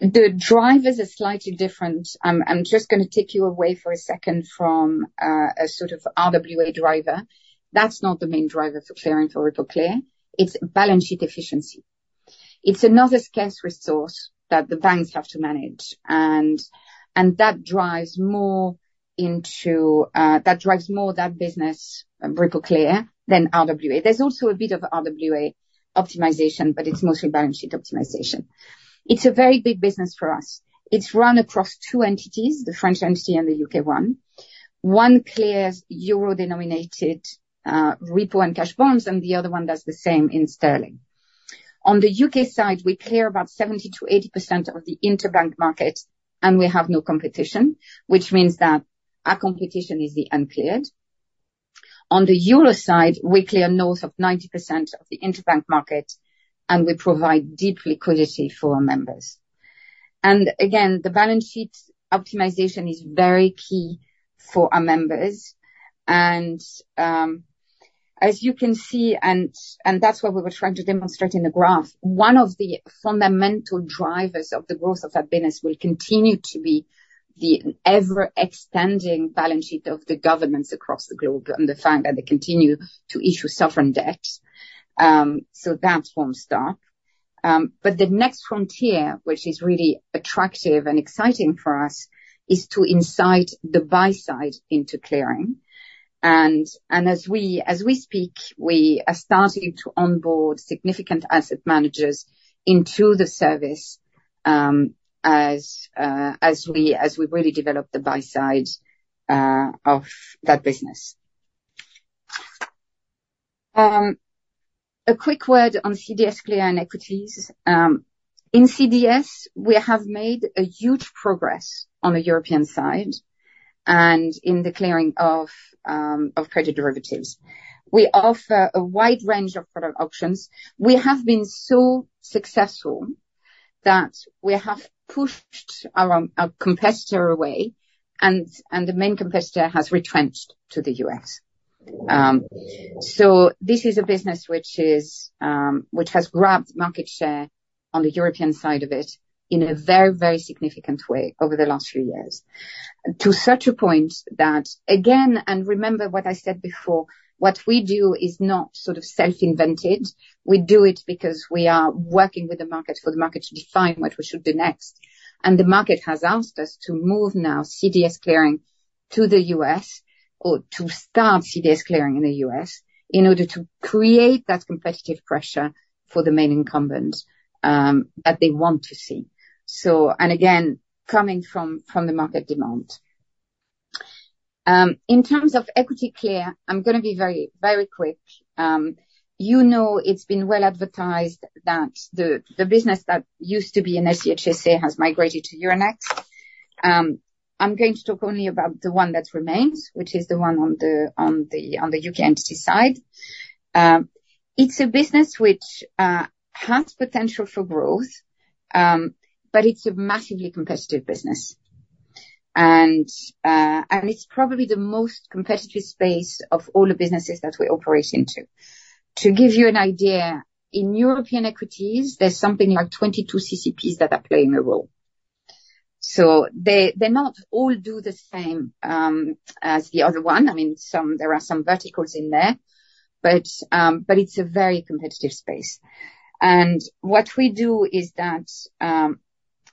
the drivers are slightly different. I'm just gonna take you away for a second from a sort of RWA driver. That's not the main driver for clearing for RepoClear. It's balance sheet efficiency. It's another scarce resource that the banks have to manage, and that drives more into that business, RepoClear, than RWA. There's also a bit of RWA optimization, but it's mostly balance sheet optimization. It's a very big business for us. It's run across two entities, the French entity and the U.K. one. One clears euro-denominated repo and cash bonds, and the other one does the same in sterling. On the U.K. side, we clear about 70%-80% of the interbank market, and we have no competition, which means that our competition is the uncleared. On the euro side, we clear north of 90% of the interbank market, and we provide deep liquidity for our members. Again, the balance sheet optimization is very key for our members. As you can see, that's what we were trying to demonstrate in the graph, one of the fundamental drivers of the growth of that business will continue to be the ever-expanding balance sheet of the governments across the globe, and the fact that they continue to issue sovereign debts, so that won't stop, but the next frontier, which is really attractive and exciting for us, is to incite the buy side into clearing, and as we speak, we are starting to onboard significant asset managers into the service, as we really develop the buy side of that business. A quick word on CDSClear and equities. In CDS, we have made a huge progress on the European side and in the clearing of credit derivatives. We offer a wide range of product options. We have been so successful that we have pushed our, our competitor away, and the main competitor has retrenched to the U.S. So this is a business which is, which has grabbed market share on the European side of it in a very, very significant way over the last few years. To such a point that, again, and remember what I said before, what we do is not sort of self-invented. We do it because we are working with the market for the market to define what we should do next. And the market has asked us to move now CDS clearing to the U.S., or to start CDS clearing in the U.S., in order to create that competitive pressure for the main incumbents, that they want to see. And again, coming from the market demand. In terms of EquityClear, I'm gonna be very, very quick. You know, it's been well advertised that the business that used to be in LCH SA has migrated to Euronext. I'm going to talk only about the one that remains, which is the one on the UK entity side. It's a business which has potential for growth, but it's a massively competitive business. And it's probably the most competitive space of all the businesses that we operate into. To give you an idea, in European equities, there's something like 22 CCPs that are playing a role. So they not all do the same as the other one. I mean, there are some verticals in there, but it's a very competitive space. And what we do is that,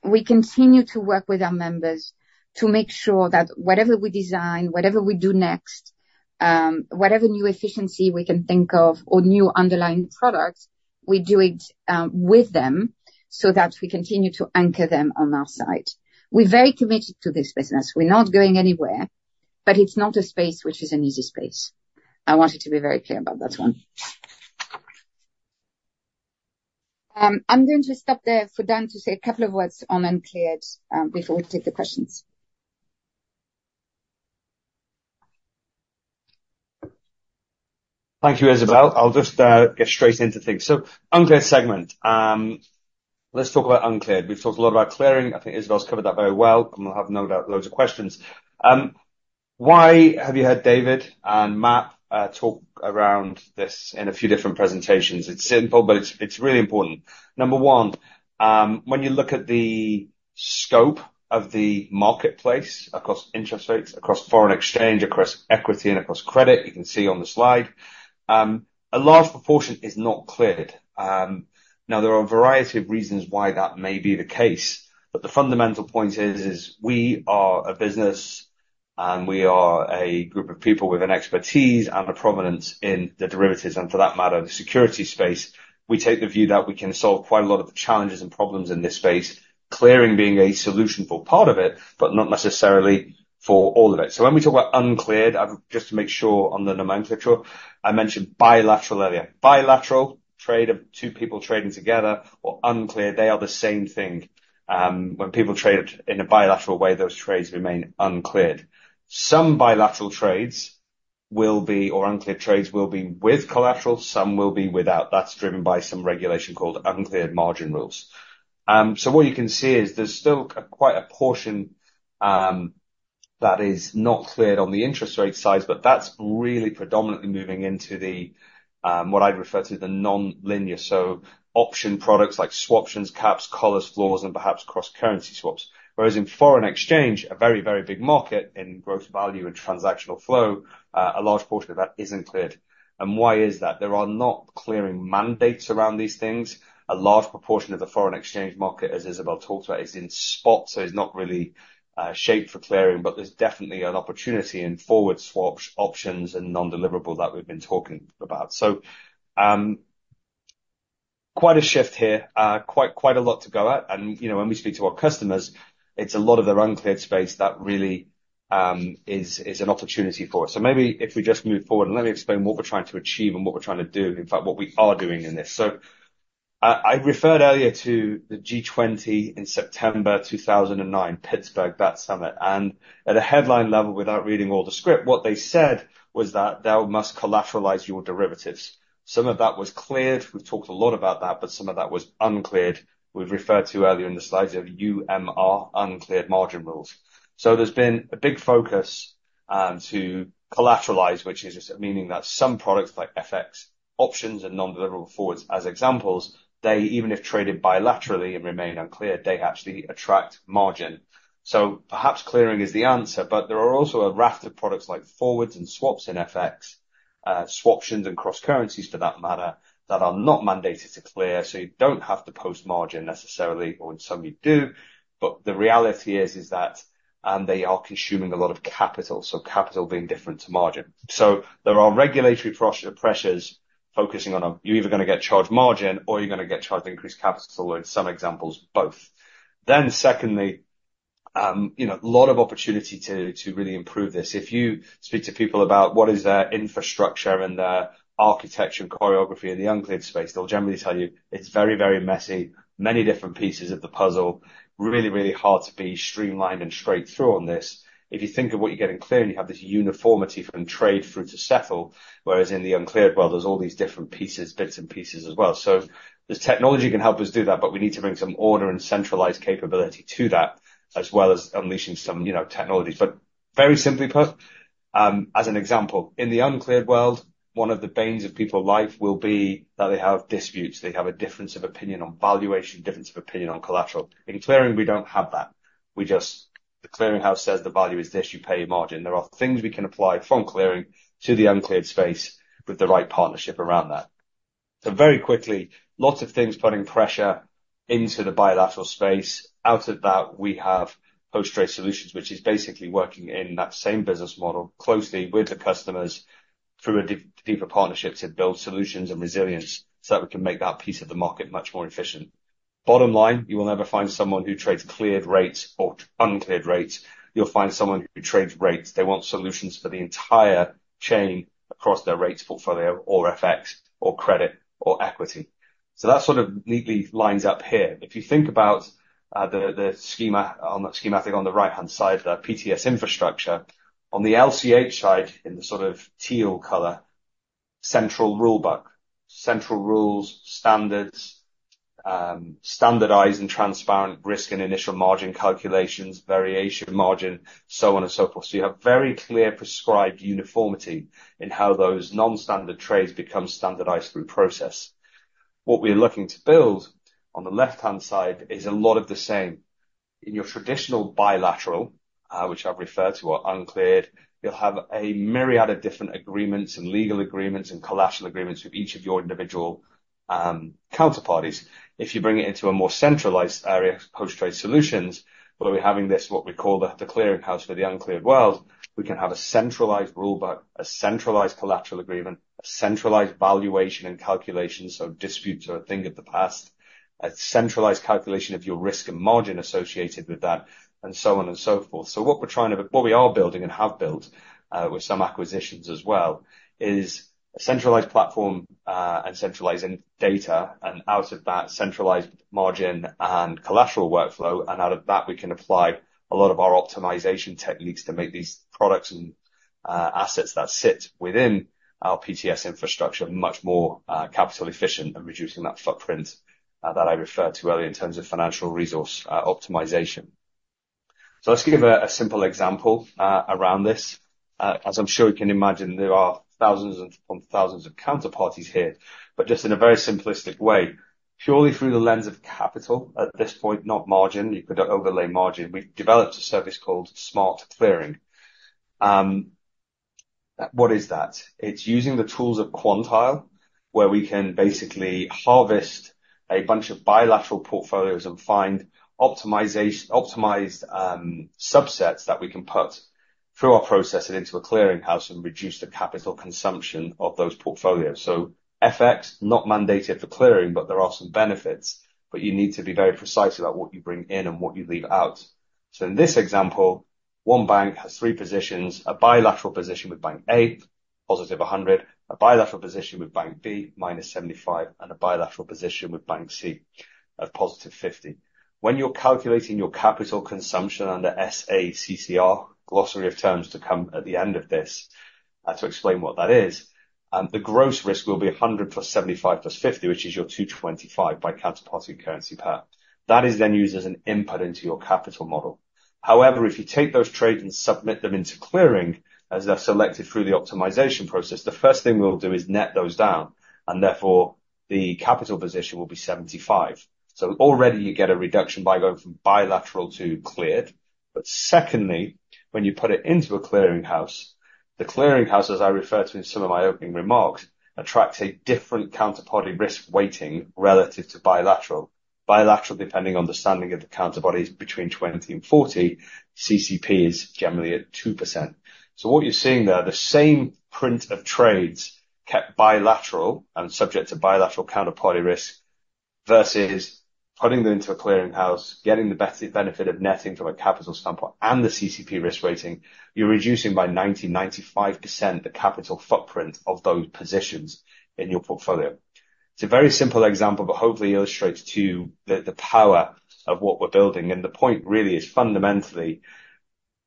we continue to work with our members to make sure that whatever we design, whatever we do next, whatever new efficiency we can think of, or new underlying products, we do it, with them so that we continue to anchor them on our side. We're very committed to this business. We're not going anywhere, but it's not a space which is an easy space. I want you to be very clear about that one. I'm going to stop there for Dan to say a couple of words on uncleared, before we take the questions. Thank you, Isabelle. I'll just get straight into things. So uncleared segment. Let's talk about uncleared. We've talked a lot about clearing. I think Isabelle's covered that very well, and we'll have, no doubt, loads of questions. Why have you had David and Matt talk around this in a few different presentations? It's simple, but it's really important. Number one, when you look at the scope of the marketplace across interest rates, across foreign exchange, across equity, and across credit, you can see on the slide a large proportion is not cleared. Now, there are a variety of reasons why that may be the case, but the fundamental point is we are a business, and we are a group of people with an expertise and a provenance in the derivatives, and for that matter, the security space. We take the view that we can solve quite a lot of the challenges and problems in this space, clearing being a solution for part of it, but not necessarily for all of it. So when we talk about uncleared, just to make sure on the nomenclature, I mentioned bilateral earlier. Bilateral trade of two people trading together or uncleared, they are the same thing. When people trade in a bilateral way, those trades remain uncleared. Some bilateral trades will be, or uncleared trades, will be with collateral, some will be without. That's driven by some regulation called Uncleared Margin Rules. So what you can see is there's still quite a portion that is not cleared on the interest rate side, but that's really predominantly moving into the what I'd refer to the nonlinear, so option products like swaptions, caps, collars, floors, and perhaps cross-currency swaps. Whereas in foreign exchange, a very, very big market in gross value and transactional flow, a large portion of that isn't cleared. And why is that? There are not clearing mandates around these things. A large proportion of the foreign exchange market, as Isabelle talked about, is in spot, so it's not really shaped for clearing, but there's definitely an opportunity in forward swaps, options, and non-deliverable that we've been talking about. So, quite a shift here. Quite, quite a lot to go at, and, you know, when we speak to our customers, it's a lot of their uncleared space that really, is an opportunity for us. So maybe if we just move forward, and let me explain what we're trying to achieve and what we're trying to do, in fact, what we are doing in this. So I referred earlier to the G20 in September two thousand and nine, Pittsburgh, that summit. And at a headline level, without reading all the script, what they said was that thou must collateralize your derivatives. Some of that was cleared. We've talked a lot about that, but some of that was uncleared. We've referred to earlier in the slides of UMR, Uncleared Margin Rules. So there's been a big focus to collateralize, which is just meaning that some products, like FX options and non-deliverable forwards, as examples, they even if traded bilaterally and remain uncleared, they actually attract margin. So perhaps clearing is the answer, but there are also a raft of products like forwards and swaps in FX, swaptions and cross currencies, for that matter, that are not mandated to clear, so you don't have to post margin necessarily, or some you do, but the reality is that they are consuming a lot of capital, so capital being different to margin. So there are regulatory pressures focusing on, you're either gonna get charged margin or you're gonna get charged increased capital, or in some examples, both. Then secondly, you know, a lot of opportunity to really improve this. If you speak to people about what is their infrastructure and their architecture and choreography in the uncleared space, they'll generally tell you it's very, very messy, many different pieces of the puzzle, really, really hard to be streamlined and straight through on this. If you think of what you get in clearing, you have this uniformity from trade through to settle, whereas in the uncleared world, there's all these different pieces, bits and pieces as well. So this technology can help us do that, but we need to bring some order and centralized capability to that, as well as unleashing some, you know, technology. But very simply put, as an example, in the uncleared world, one of the banes of people's life will be that they have disputes. They have a difference of opinion on valuation, difference of opinion on collateral. In clearing, we don't have that. The clearing house says the value is this, you pay a margin. There are things we can apply from clearing to the uncleared space with the right partnership around that. So very quickly, lots of things putting pressure into the bilateral space. Out of that, we have Post Trade Solutions, which is basically working in that same business model closely with the customers through a deeper partnership to build solutions and resilience, so that we can make that piece of the market much more efficient. Bottom line, you will never find someone who trades cleared rates or uncleared rates. You'll find someone who trades rates. They want solutions for the entire chain across their rates portfolio, or FX, or credit, or equity. So that sort of neatly lines up here. If you think about the schema on the... Schematic on the right-hand side, the PTS infrastructure, on the LCH side, in the sort of teal color: central rule book, central rules, standards, standardized and transparent risk and initial margin calculations, variation margin, so on and so forth. So you have very clear prescribed uniformity in how those non-standard trades become standardized through process. What we're looking to build on the left-hand side is a lot of the same. In your traditional bilateral, which I've referred to, are uncleared, you'll have a myriad of different agreements and legal agreements, and collateral agreements with each of your individual counterparties. If you bring it into a more centralized area, Post Trade Solutions, where we're having this, what we call the clearing house for the uncleared world, we can have a centralized rule book, a centralized collateral agreement, a centralized valuation and calculation, so disputes are a thing of the past, a centralized calculation of your risk and margin associated with that, and so on and so forth. So what we're trying to... What we are building and have built, with some acquisitions as well, is a centralized platform, and centralizing data, and out of that, centralized margin and collateral workflow. And out of that, we can apply a lot of our optimization techniques to make these products and, assets that sit within our PTS infrastructure much more, capital efficient and reducing that footprint, that I referred to earlier in terms of financial resource, optimization. So let's give a simple example around this. As I'm sure you can imagine, there are thousands upon thousands of counterparties here, but just in a very simplistic way, purely through the lens of capital at this point, not margin, you could overlay margin. We've developed a service called Smart Clearing. What is that? It's using the tools of Quantile, where we can basically harvest a bunch of bilateral portfolios and find optimized subsets that we can put through our process and into a clearinghouse and reduce the capital consumption of those portfolios. So FX, not mandated for clearing, but there are some benefits, but you need to be very precise about what you bring in and what you leave out. In this example, one bank has three positions: a bilateral position with bank A, +100, a bilateral position with bank B, -5, and a bilateral position with bank C of +50. When you're calculating your capital consumption under SA-CCR, glossary of terms to come at the end of this, to explain what that is, the gross risk will be 100 + 75 + 50, which is your 225 by counterparty currency pair. That is then used as an input into your capital model. However, if you take those trades and submit them into clearing, as they're selected through the optimization process, the first thing we'll do is net those down, and therefore, the capital position will be 75. Already you get a reduction by going from bilateral to cleared. But secondly, when you put it into a clearinghouse, the clearinghouse, as I referred to in some of my opening remarks, attracts a different counterparty risk weighting relative to bilateral. Bilateral, depending on the standing of the counterparties, between 20 and 40, CCP is generally at 2%. So what you're seeing there, the same print of trades kept bilateral and subject to bilateral counterparty risk, versus putting them into a clearinghouse, getting the benefit of netting from a capital standpoint and the CCP risk weighting, you're reducing by 90%-95% the capital footprint of those positions in your portfolio. It's a very simple example, but hopefully illustrates to you the power of what we're building. The point, really, is fundamentally,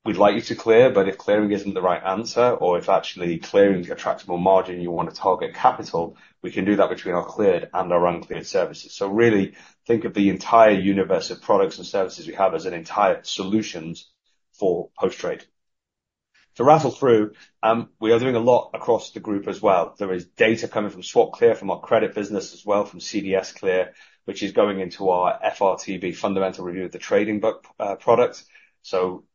we'd like you to clear, but if clearing isn't the right answer, or if actually clearing attracts more margin, you want to target capital, we can do that between our cleared and our uncleared services. Really, think of the entire universe of products and services we have as an entire solutions for post trade. To rattle through, we are doing a lot across the group as well. There is data coming from SwapClear, from our credit business as well, from CDSClear, which is going into our FRTB, Fundamental Review of the Trading Book, product.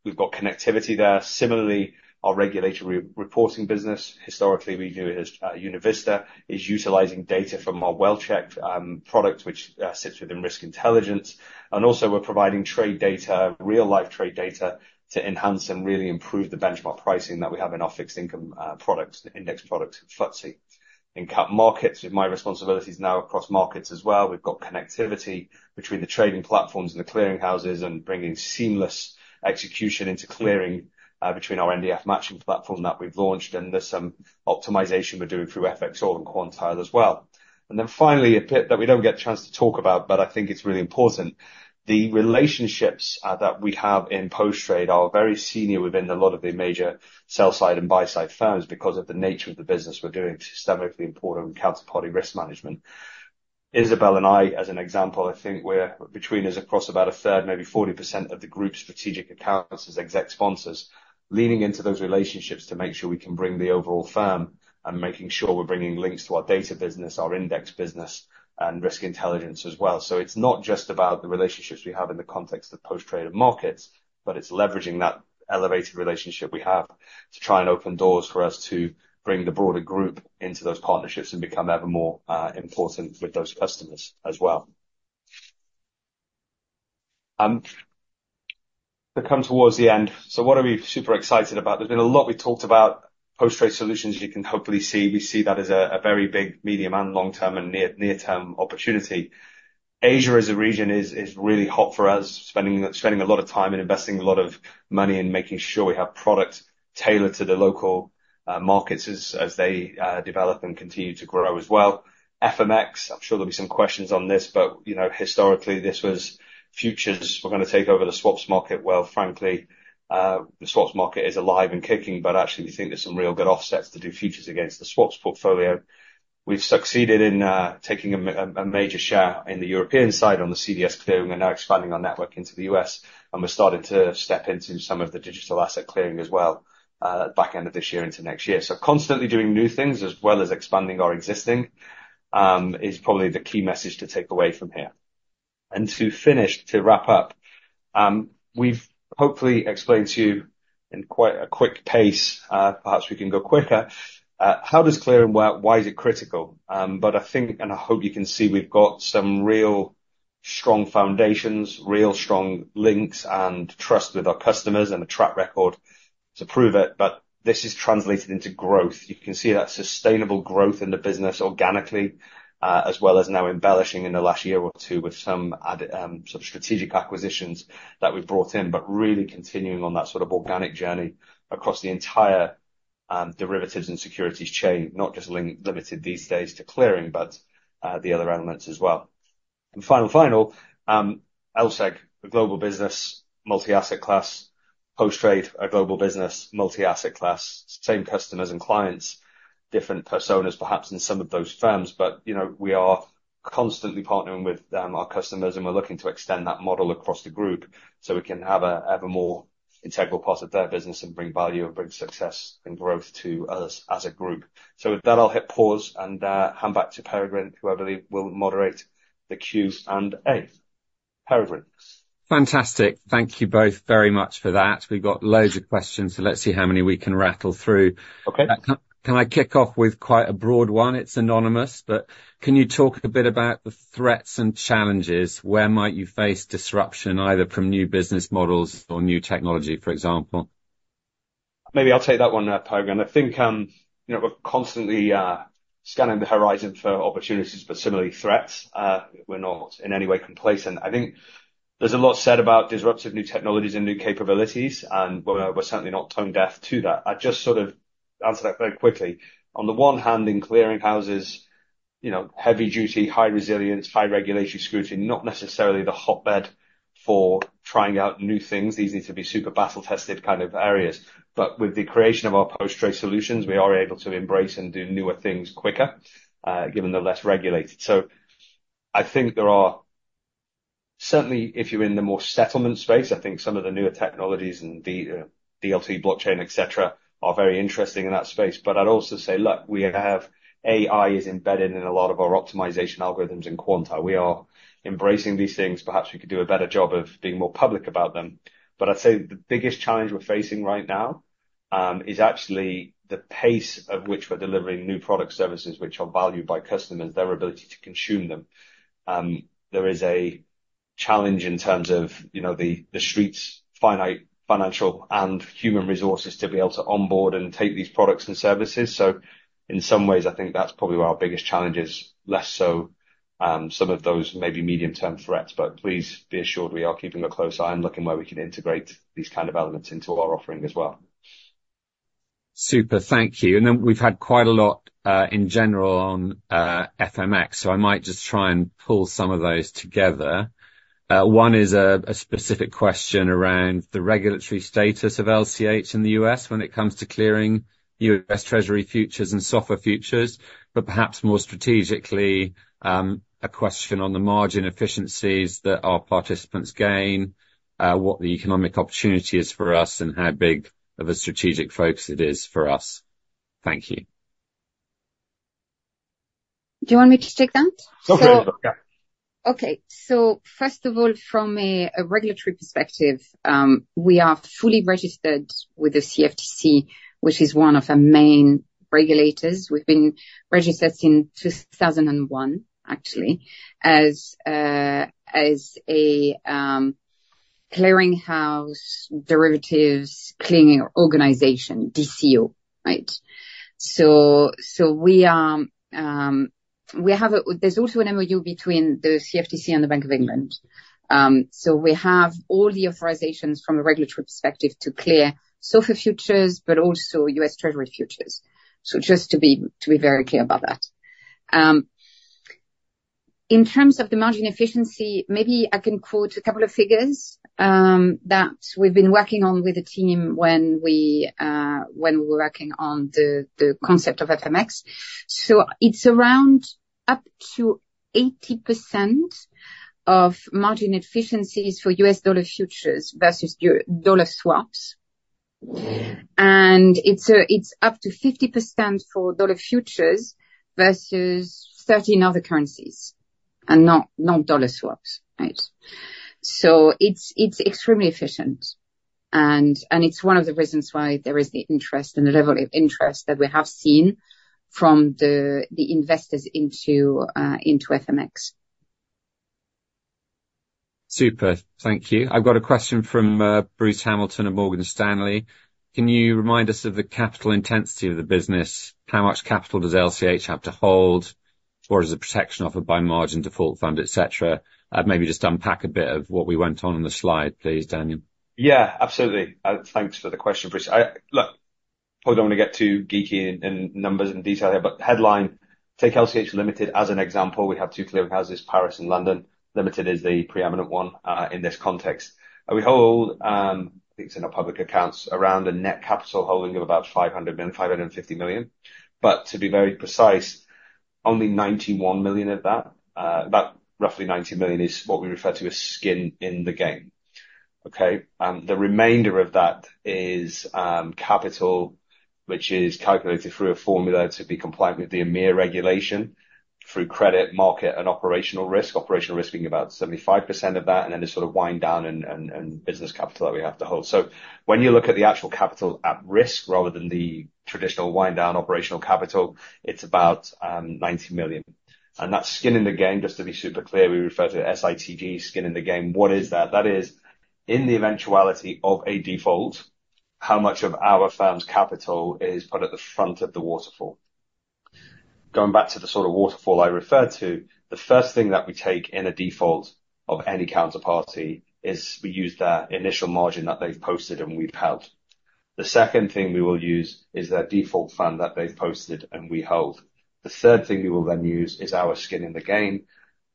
We've got connectivity there. Similarly, our regulatory reporting business, historically, we knew it as, UnaVista, is utilizing data from our World-Check, product, which, sits within Risk Intelligence. And also, we're providing trade data, real live trade data, to enhance and really improve the benchmark pricing that we have in our fixed income products, the index products, FTSE. In Capital Markets, with my responsibilities now across markets as well, we've got connectivity between the trading platforms and the clearing houses, and bringing seamless execution into clearing, between our NDF matching platform that we've launched, and there's some optimization we're doing through FXall and Quantile as well. And then finally, a bit that we don't get a chance to talk about, but I think it's really important. The relationships that we have in post trade are very senior within a lot of the major sell side and buy side firms because of the nature of the business we're doing, systemically important counterparty risk management. Isabelle and I, as an example, I think we're between us across about a third, maybe 40% of the group's strategic accounts as exec sponsors, leaning into those relationships to make sure we can bring the overall firm, and making sure we're bringing links to our data business, our index business, and risk intelligence as well. It's not just about the relationships we have in the context of post trade and markets, but it's leveraging that elevated relationship we have to try and open doors for us to bring the broader group into those partnerships and become ever more important with those customers as well. To come towards the end, so what are we super excited about? There's been a lot we talked about Post Trade Solutions, you can hopefully see, we see that as a very big, medium, and long-term, and near-term opportunity. Asia, as a region, is really hot for us, spending a lot of time and investing a lot of money in making sure we have products tailored to the local markets as they develop and continue to grow as well. FMX, I'm sure there'll be some questions on this, but, you know, historically, this was futures were gonna take over the swaps market. Well, frankly, the swaps market is alive and kicking, but actually, we think there's some real good offsets to do futures against the swaps portfolio. We've succeeded in taking a major share in the European side on the CDS clearing and now expanding our network into the U.S., and we're starting to step into some of the digital asset clearing as well, back end of this year into next year. So constantly doing new things as well as expanding our existing is probably the key message to take away from here. And to finish, to wrap up, we've hopefully explained to you in quite a quick pace, perhaps we can go quicker. How does clearing work? Why is it critical? But I think, and I hope you can see, we've got some real strong foundations, real strong links and trust with our customers, and a track record to prove it. But this is translated into growth. You can see that sustainable growth in the business organically, as well as now embellishing in the last year or two with some sort of strategic acquisitions that we've brought in, but really continuing on that sort of organic journey across the entire derivatives and securities chain. Not just limited these days to clearing, but the other elements as well. Finally, LSEG, a global business, multi-asset class. Post Trade, a global business, multi-asset class, same customers and clients, different personas, perhaps in some of those firms, but you know, we are constantly partnering with our customers, and we're looking to extend that model across the group so we can have an ever more integral part of their business and bring value and bring success and growth to us as a group. With that, I'll hit pause and hand back to Peregrine, who I believe will moderate the Q&A. Peregrine? Fantastic. Thank you both very much for that. We've got loads of questions, so let's see how many we can rattle through. Okay. Can I kick off with quite a broad one? It's anonymous, but can you talk a bit about the threats and challenges, where might you face disruption, either from new business models or new technology, for example? Maybe I'll take that one, Peregrine. I think, you know, we're constantly scanning the horizon for opportunities, but similarly, threats. We're not in any way complacent. I think there's a lot said about disruptive new technologies and new capabilities, and we're certainly not tone deaf to that. I'd just sort of answer that very quickly. On the one hand, in clearing houses, you know, heavy duty, high resilience, high regulation scrutiny, not necessarily the hotbed for trying out new things. These need to be super battle-tested kind of areas. But with the creation of our Post Trade Solutions, we are able to embrace and do newer things quicker, given they're less regulated. So I think there are... Certainly, if you're in the more settlement space, I think some of the newer technologies and DLT, blockchain, et cetera, are very interesting in that space. But I'd also say, look, we have AI is embedded in a lot of our optimization algorithms in Quantile. We are embracing these things. Perhaps we could do a better job of being more public about them. But I'd say the biggest challenge we're facing right now, is actually the pace of which we're delivering new products, services, which are valued by customers, their ability to consume them. There is a challenge in terms of, you know, the street's finite financial and human resources to be able to onboard and take these products and services. So in some ways, I think that's probably where our biggest challenge is, less so, some of those maybe medium-term threats, but please be assured, we are keeping a close eye and looking where we can integrate these kind of elements into our offering as well. Super. Thank you. And then we've had quite a lot in general on FMX, so I might just try and pull some of those together. One is a specific question around the regulatory status of LCH in the U.S. when it comes to clearing U.S. Treasury futures and SOFR futures, but perhaps more strategically, a question on the margin efficiencies that our participants gain, what the economic opportunity is for us, and how big of a strategic focus it is for us. Thank you. Do you want me to take that? Okay. Okay, so first of all, from a regulatory perspective, we are fully registered with the CFTC, which is one of our main regulators. We've been registered since two thousand and one, actually, as a clearing house, derivatives clearing organization, DCO, right? So we are. There's also an MOU between the CFTC and the Bank of England. So we have all the authorizations from a regulatory perspective to clear SOFR futures, but also U.S. Treasury futures. Just to be very clear about that. In terms of the margin efficiency, maybe I can quote a couple of figures that we've been working on with the team when we were working on the concept of FMX. So it's around up to 80% of margin efficiencies for U.S. dollar futures versus Eurodollar swaps. And it's up to 50% for dollar futures versus 13 other currencies, and not dollar swaps, right? So it's extremely efficient, and it's one of the reasons why there is the interest and the level of interest that we have seen from the investors into FMX. Super. Thank you. I've got a question from Bruce Hamilton of Morgan Stanley: "Can you remind us of the capital intensity of the business? How much capital does LCH have to hold, or is the protection offered by margin, default fund, et cetera?" Maybe just unpack a bit of what we went on, on the slide, please, Daniel. Yeah, absolutely. Thanks for the question, Bruce. Look, probably don't want to get too geeky in numbers and detail here, but headline, take LCH Limited as an example, we have two clearing houses, Paris and London. Limited is the preeminent one in this context. We hold, I think it's in our public accounts, around a net capital holding of about 550 million. But to be very precise, only 91 million of that, about roughly 90 million is what we refer to as skin in the game, okay? The remainder of that is capital, which is calculated through a formula to be compliant with the EMIR regulation through credit, market, and operational risk. Operational risk being about 75% of that, and then the sort of wind down and business capital that we have to hold. So when you look at the actual capital at risk rather than the traditional wind down operational capital, it's about 90 million. And that skin in the game, just to be super clear, we refer to it as SITG, skin in the game. What is that? That is, in the eventuality of a default, how much of our firm's capital is put at the front of the waterfall? Going back to the sort of waterfall I referred to, the first thing that we take in a default of any counterparty is we use that initial margin that they've posted, and we've held. The second thing we will use is their default fund that they've posted, and we hold. The third thing we will then use is our skin in the game,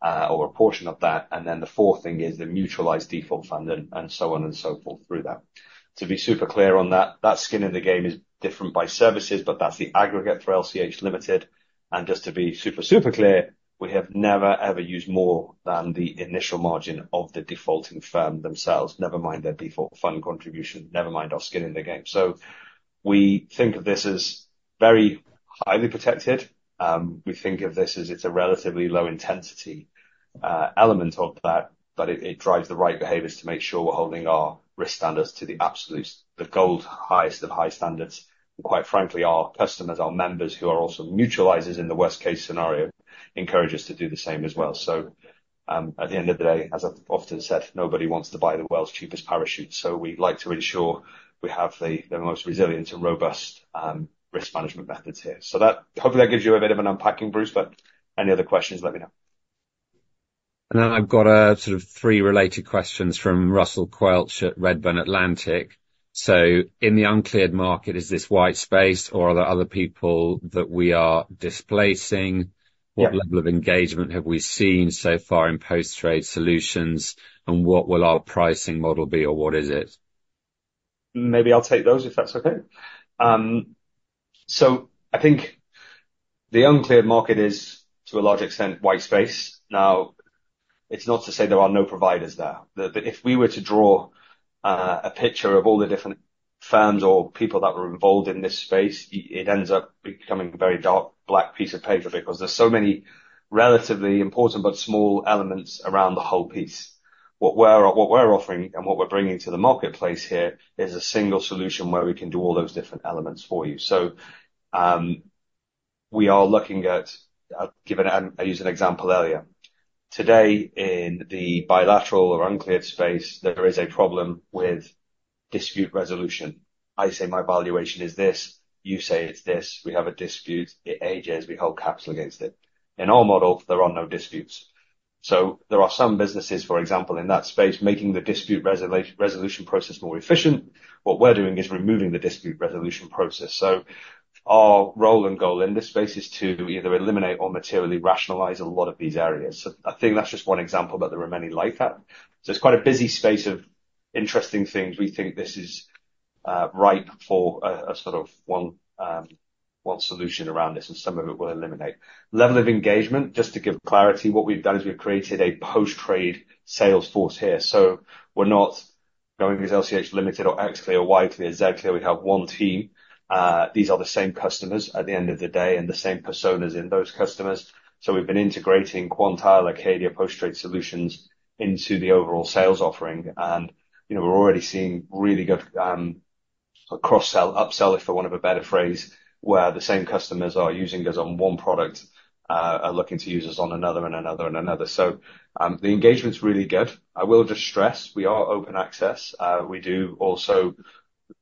or a portion of that, and then the fourth thing is the mutualized default fund and so on and so forth through that. To be super clear on that, that skin in the game is different by services, but that's the aggregate for LCH Limited, and just to be super, super clear, we have never, ever used more than the initial margin of the defaulting firm themselves, never mind their default fund contribution, never mind our skin in the game, so we think of this as very highly protected. We think of this as it's a relatively low intensity element of that, but it drives the right behaviors to make sure we're holding our risk standards to the absolute, the gold, highest of high standards. And quite frankly, our customers, our members, who are also mutualizers in the worst case scenario, encourage us to do the same as well. So, at the end of the day, as I've often said, nobody wants to buy the world's cheapest parachute, so we'd like to ensure we have the most resilient and robust risk management methods here. So that hopefully that gives you a bit of an unpacking, Bruce, but any other questions, let me know. And then I've got a sort of three related questions from Russell Quelch at Redburn Atlantic. So in the uncleared market, is this white space, or are there other people that we are displacing? Yeah. What level of engagement have we seen so far in Post Trade Solutions, and what will our pricing model be, or what is it? Maybe I'll take those, if that's okay. So I think the uncleared market is, to a large extent, white space. Now, it's not to say there are no providers there, but if we were to draw a picture of all the different firms or people that were involved in this space, it ends up becoming a very dark black piece of paper, because there's so many relatively important but small elements around the whole piece. What we're offering and what we're bringing to the marketplace here is a single solution where we can do all those different elements for you. So we are looking at. I used an example earlier. Today, in the bilateral or uncleared space, there is a problem with dispute resolution. I say, my valuation is this, you say it's this, we have a dispute. It ages, we hold capital against it. In our model, there are no disputes. So there are some businesses, for example, in that space, making the dispute resolution process more efficient. What we're doing is removing the dispute resolution process. So our role and goal in this space is to either eliminate or materially rationalize a lot of these areas. So I think that's just one example, but there are many like that. So it's quite a busy space of interesting things. We think this is ripe for a sort of one solution around this, and some of it will eliminate. Level of engagement, just to give clarity, what we've done is we've created a post trade sales force here. So we're not going as LCH Limited or XClear or YClear, ZClear, we have one team. These are the same customers at the end of the day and the same personas in those customers. So we've been integrating Quantile, Acadia, Post Trade Solutions into the overall sales offering, and, you know, we're already seeing really good cross-sell, upsell, for want of a better phrase, where the same customers are using us on one product are looking to use us on another, and another, and another. So the engagement's really good. I will just stress, we are open access. We do also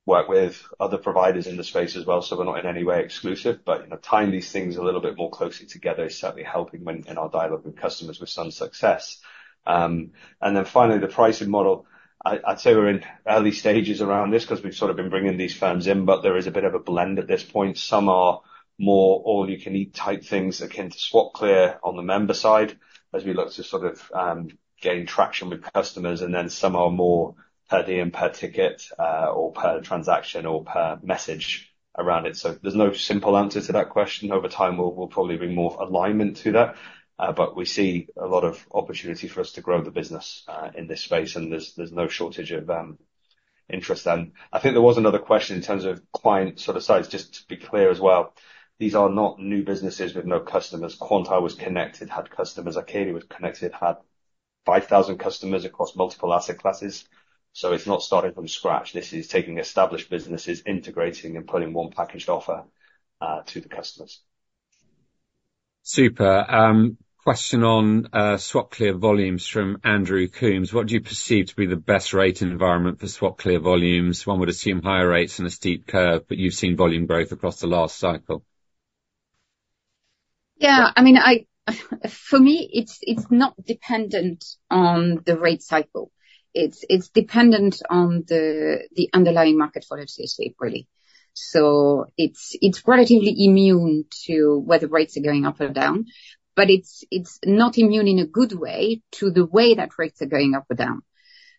work with other providers in the space as well, so we're not in any way exclusive, but, you know, tying these things a little bit more closely together is certainly helping in our dialogue with customers with some success. And then finally, the pricing model. I'd say we're in early stages around this, 'cause we've sort of been bringing these firms in, but there is a bit of a blend at this point. Some are more all-you-can-eat type things, akin to SwapClear on the member side, as we look to sort of gain traction with customers, and then some are more per day and per ticket, or per transaction or per message around it. So there's no simple answer to that question. Over time, we'll probably bring more alignment to that, but we see a lot of opportunity for us to grow the business in this space, and there's no shortage of interest then. I think there was another question in terms of client sort of size. Just to be clear as well, these are not new businesses with no customers. Quantile was connected, had customers. Acadia was connected, had five thousand customers across multiple asset classes, so it's not starting from scratch. This is taking established businesses, integrating, and putting one packaged offer to the customers. Super. Question on SwapClear volumes from Andrew Coombs: What do you perceive to be the best rate environment for SwapClear volumes? One would assume higher rates and a steep curve, but you've seen volume growth across the last cycle. Yeah, I mean, for me, it's not dependent on the rate cycle. It's dependent on the underlying market for LCH, really. So it's relatively immune to whether rates are going up or down. But it's not immune in a good way to the way that rates are going up or down.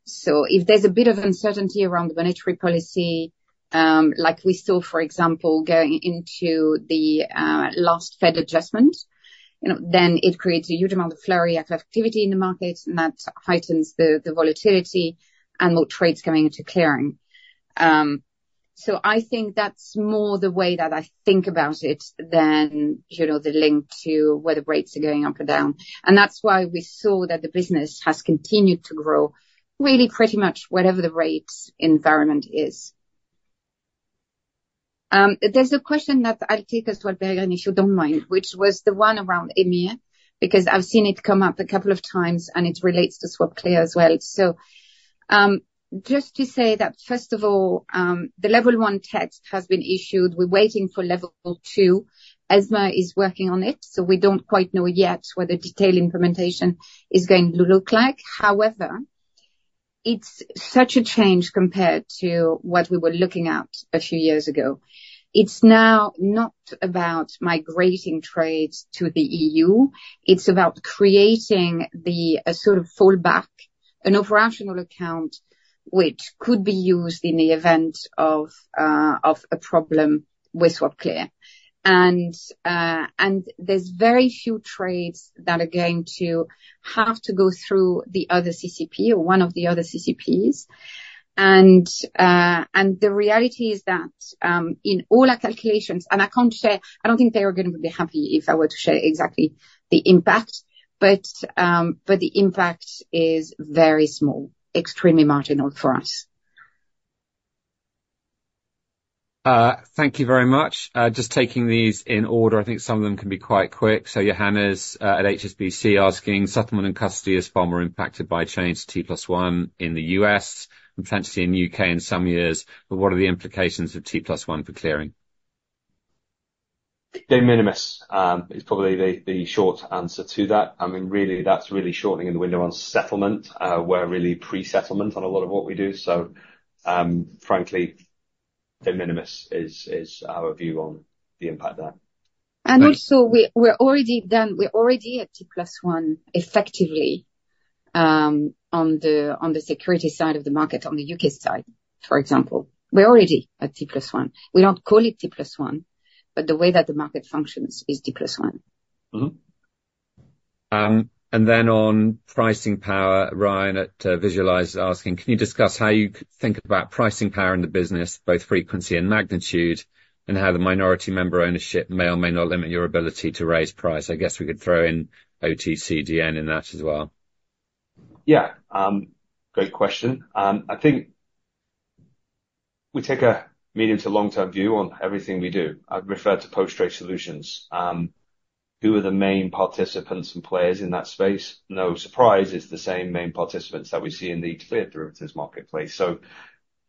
So if there's a bit of uncertainty around the monetary policy, like we saw, for example, going into the last Fed adjustment, you know, then it creates a huge amount of flurry of activity in the market, and that heightens the volatility and more trades coming into clearing. So I think that's more the way that I think about it than, you know, the link to whether rates are going up or down. And that's why we saw that the business has continued to grow really pretty much whatever the rates environment is. There's a question that I'll take as to a bargain, if you don't mind, which was the one around EMIR, because I've seen it come up a couple of times, and it relates to SwapClear as well. So, just to say that, first of all, the level one text has been issued. We're waiting for level two. ESMA is working on it, so we don't quite know yet what the detailed implementation is going to look like. However, it's such a change compared to what we were looking at a few years ago. It's now not about migrating trades to the EU, it's about creating a sort of fallback, an operational account, which could be used in the event of a problem with SwapClear. There's very few trades that are going to have to go through the other CCP or one of the other CCPs. The reality is that, in all our calculations, I can't share. I don't think they are gonna be happy if I were to share exactly the impact, but the impact is very small, extremely marginal for us. Thank you very much. Just taking these in order, I think some of them can be quite quick. So Johannes at HSBC, asking: "Settlement and custody is far more impacted by change to T+1 in the U.S. and potentially in the U.K. in some years, but what are the implications of T+1 for clearing? De minimis is probably the short answer to that. I mean, really, that's really shortening in the window on settlement. We're really pre-settlement on a lot of what we do, so, frankly, de minimis is our view on the impact of that. And also, we're already done. We're already at T+1, effectively, on the security side of the market, on the U.K. side, for example. We're already at T+1. We don't call it T+1, but the way that the market functions is T+1. And then on pricing power, Ryan at Visualize asking: "Can you discuss how you think about pricing power in the business, both frequency and magnitude, and how the minority member ownership may or may not limit your ability to raise price? I guess we could throw in OTCDN in that as well. Yeah, great question. I think we take a medium to long-term view on everything we do. I've referred to Post Trade Solutions. Who are the main participants and players in that space? No surprise, it's the same main participants that we see in the cleared derivatives marketplace. So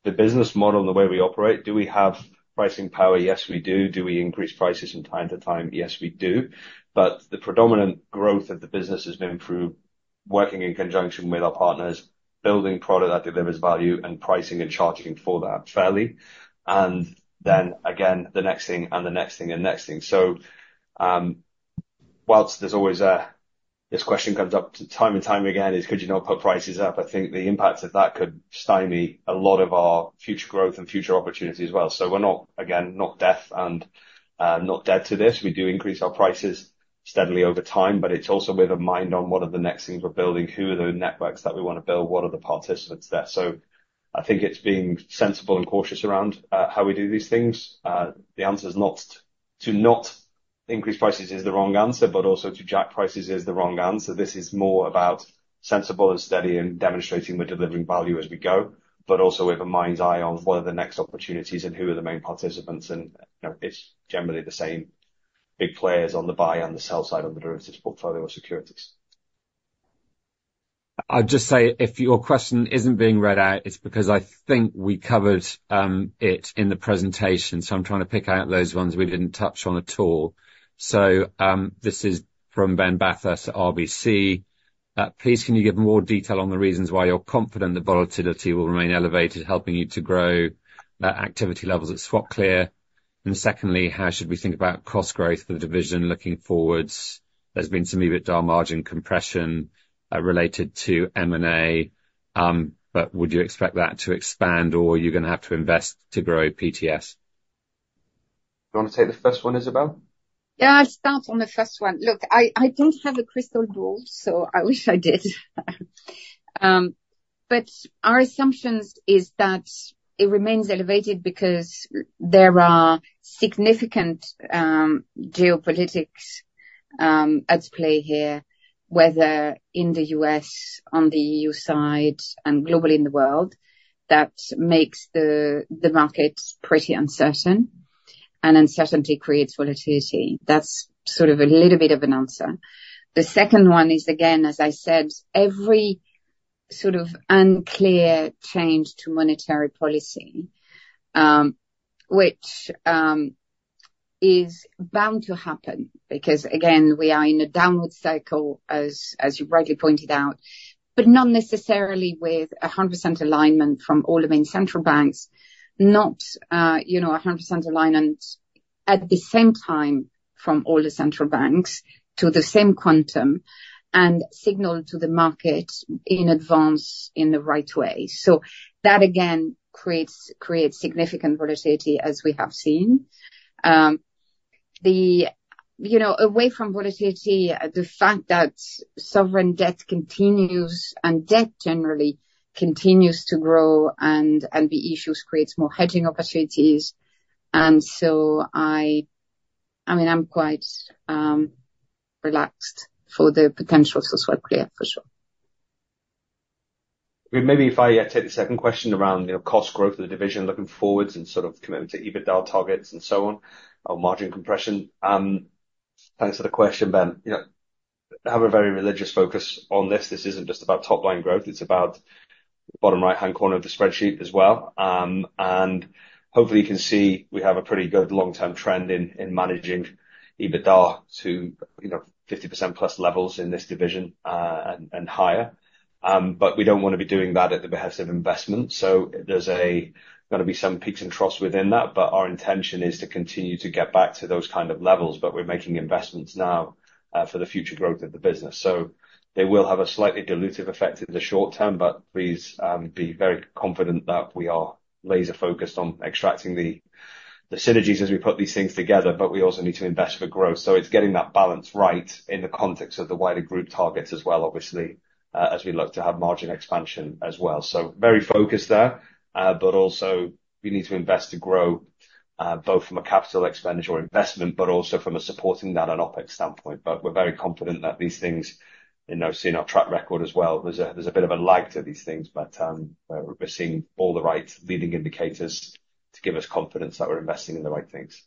the business model and the way we operate, do we have pricing power? Yes, we do. Do we increase prices from time to time? Yes, we do. But the predominant growth of the business has been through working in conjunction with our partners, building product that delivers value, and pricing and charging for that fairly. And then again, the next thing and the next thing, and next thing. So, whilst there's always this question comes up time and time again: Could you not put prices up? I think the impact of that could stymie a lot of our future growth and future opportunities as well. So we're not, again, not deaf and not dead to this. We do increase our prices steadily over time, but it's also with a mind on what are the next things we're building, who are the networks that we want to build, what are the participants there? So I think it's being sensible and cautious around how we do these things. The answer is not to not increase prices is the wrong answer, but also to jack prices is the wrong answer. This is more about sensible and steady and demonstrating we're delivering value as we go, but also with a mind's eye on what are the next opportunities and who are the main participants, and, you know, it's generally the same big players on the buy and the sell side of the derivatives portfolio of securities. I'll just say, if your question isn't being read out, it's because I think we covered it in the presentation, so I'm trying to pick out those ones we didn't touch on at all. So, this is from Ben Bathurst at RBC. "Please, can you give more detail on the reasons why you're confident the volatility will remain elevated, helping you to grow activity levels at SwapClear? And secondly, how should we think about cost growth for the division looking forwards? There's been some EBITDA margin compression related to M&A, but would you expect that to expand, or are you gonna have to invest to grow PTS? Do you want to take the first one, Isabelle? Yeah, I'll start on the first one. Look, I, I don't have a crystal ball, so I wish I did. But our assumptions is that it remains elevated because there are significant geopolitics at play here, whether in the U.S., on the EU side, and globally in the world, that makes the markets pretty uncertain, and uncertainty creates volatility. That's sort of a little bit of an answer. The second one is, again, as I said, every sort of unclear change to monetary policy, which is bound to happen, because, again, we are in a downward cycle as you rightly pointed out, but not necessarily with 100% alignment from all the main central banks, not, you know, 100% alignment-... At the same time, from all the central banks to the same quantum, and signal to the market in advance, in the right way. So that, again, creates significant volatility, as we have seen. You know, away from volatility, the fact that sovereign debt continues, and debt generally continues to grow, and the issues creates more hedging opportunities. And so I mean, I'm quite relaxed for the potential of SwapClear, for sure. Maybe if I take the second question around, you know, cost growth of the division looking forward and sort of commitment to EBITDA targets and so on, on margin compression. Thanks for the question, Ben. You know, have a very religious focus on this. This isn't just about top line growth, it's about bottom right-hand corner of the spreadsheet as well. And hopefully you can see we have a pretty good long-term trend in managing EBITDA to, you know, 50%+ levels in this division, and higher. But we don't want to be doing that at the behest of investment. So there's gonna be some peaks and troughs within that, but our intention is to continue to get back to those kind of levels. But we're making investments now for the future growth of the business. So they will have a slightly dilutive effect in the short term, but please be very confident that we are laser-focused on extracting the synergies as we put these things together, but we also need to invest for growth, so it's getting that balance right in the context of the wider group targets as well, obviously, as we look to have margin expansion as well, so very focused there, but also we need to invest to grow, both from a capital expenditure investment, but also from a supporting that, an OpEx standpoint. But we're very confident that these things, you know, seeing our track record as well, there's a bit of a lag to these things, but we're seeing all the right leading indicators to give us confidence that we're investing in the right things.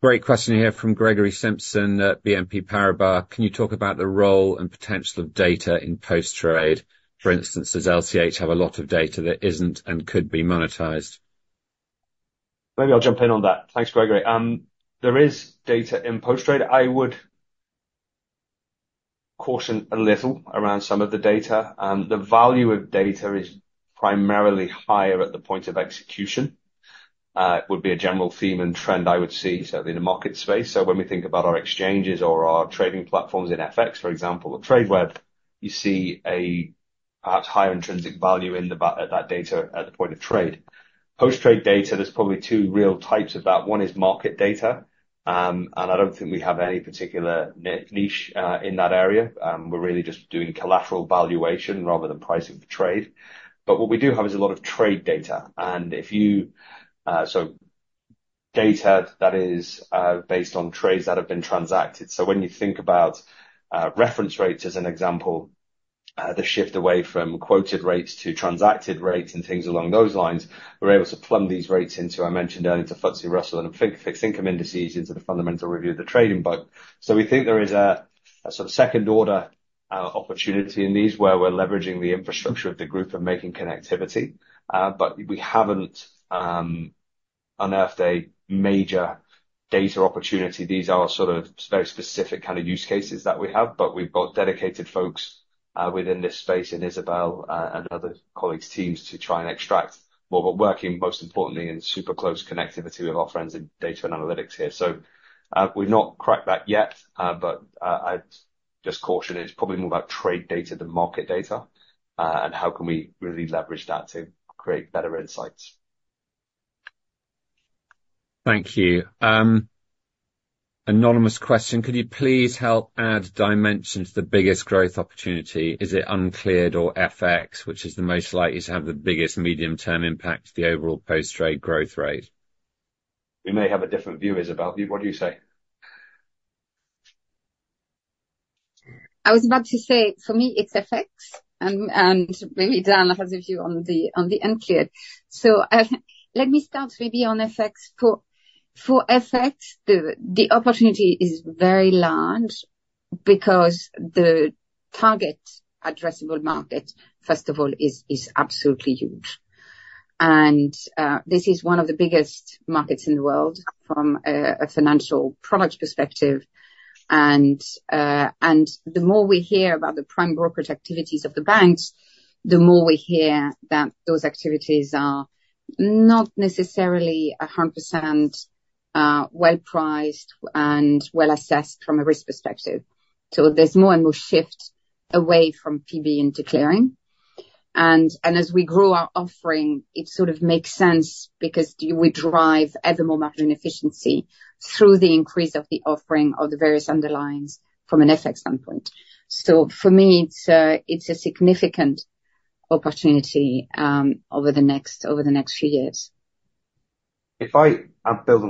Great question here from Gregory Simpson at BNP Paribas. "Can you talk about the role and potential of data in post trade? For instance, does LCH have a lot of data that isn't and could be monetized? Maybe I'll jump in on that. Thanks, Gregory. There is data in post trade. I would caution a little around some of the data. The value of data is primarily higher at the point of execution. It would be a general theme and trend I would see, certainly in the market space. So when we think about our exchanges or our trading platforms in FX, for example, or Tradeweb, you see a perhaps higher intrinsic value in that data, at the point of trade. post trade data, there's probably two real types of that. One is market data, and I don't think we have any particular niche in that area. We're really just doing collateral valuation rather than pricing for trade. But what we do have is a lot of trade data, and if you so data that is based on trades that have been transacted. So when you think about reference rates, as an example, the shift away from quoted rates to transacted rates and things along those lines, we're able to plumb these rates into, I mentioned earlier, to FTSE Russell and fixed income indices into the Fundamental Review of the Trading Book. So we think there is a sort of second order opportunity in these, where we're leveraging the infrastructure of the group and making connectivity. But we haven't unearthed a major data opportunity. These are sort of very specific kind of use cases that we have, but we've got dedicated folks within this space, and Isabelle and other colleagues, teams, to try and extract. But we're working, most importantly, in super close connectivity with our friends in Data & Analytics here. So, we've not cracked that yet, but I'd just caution it's probably more about trade data than market data, and how can we really leverage that to create better insights? Thank you. Anonymous question: Could you please help add dimension to the biggest growth opportunity? Is it uncleared or FX, which is the most likely to have the biggest medium-term impact to the overall post trade growth rate? We may have a different view, Isabelle. What do you say? I was about to say, for me, it's FX, and maybe Dan has a view on the uncleared. So, let me start maybe on FX. For FX, the opportunity is very large because the target addressable market, first of all, is absolutely huge. And the more we hear about the prime brokerage activities of the banks, the more we hear that those activities are not necessarily 100% well-priced and well-assessed from a risk perspective. So there's more and more shift away from PB into clearing. And as we grow our offering, it sort of makes sense because you, we drive ever more margin efficiency through the increase of the offering of the various underlyings from an FX standpoint. For me, it's a significant opportunity over the next few years. Building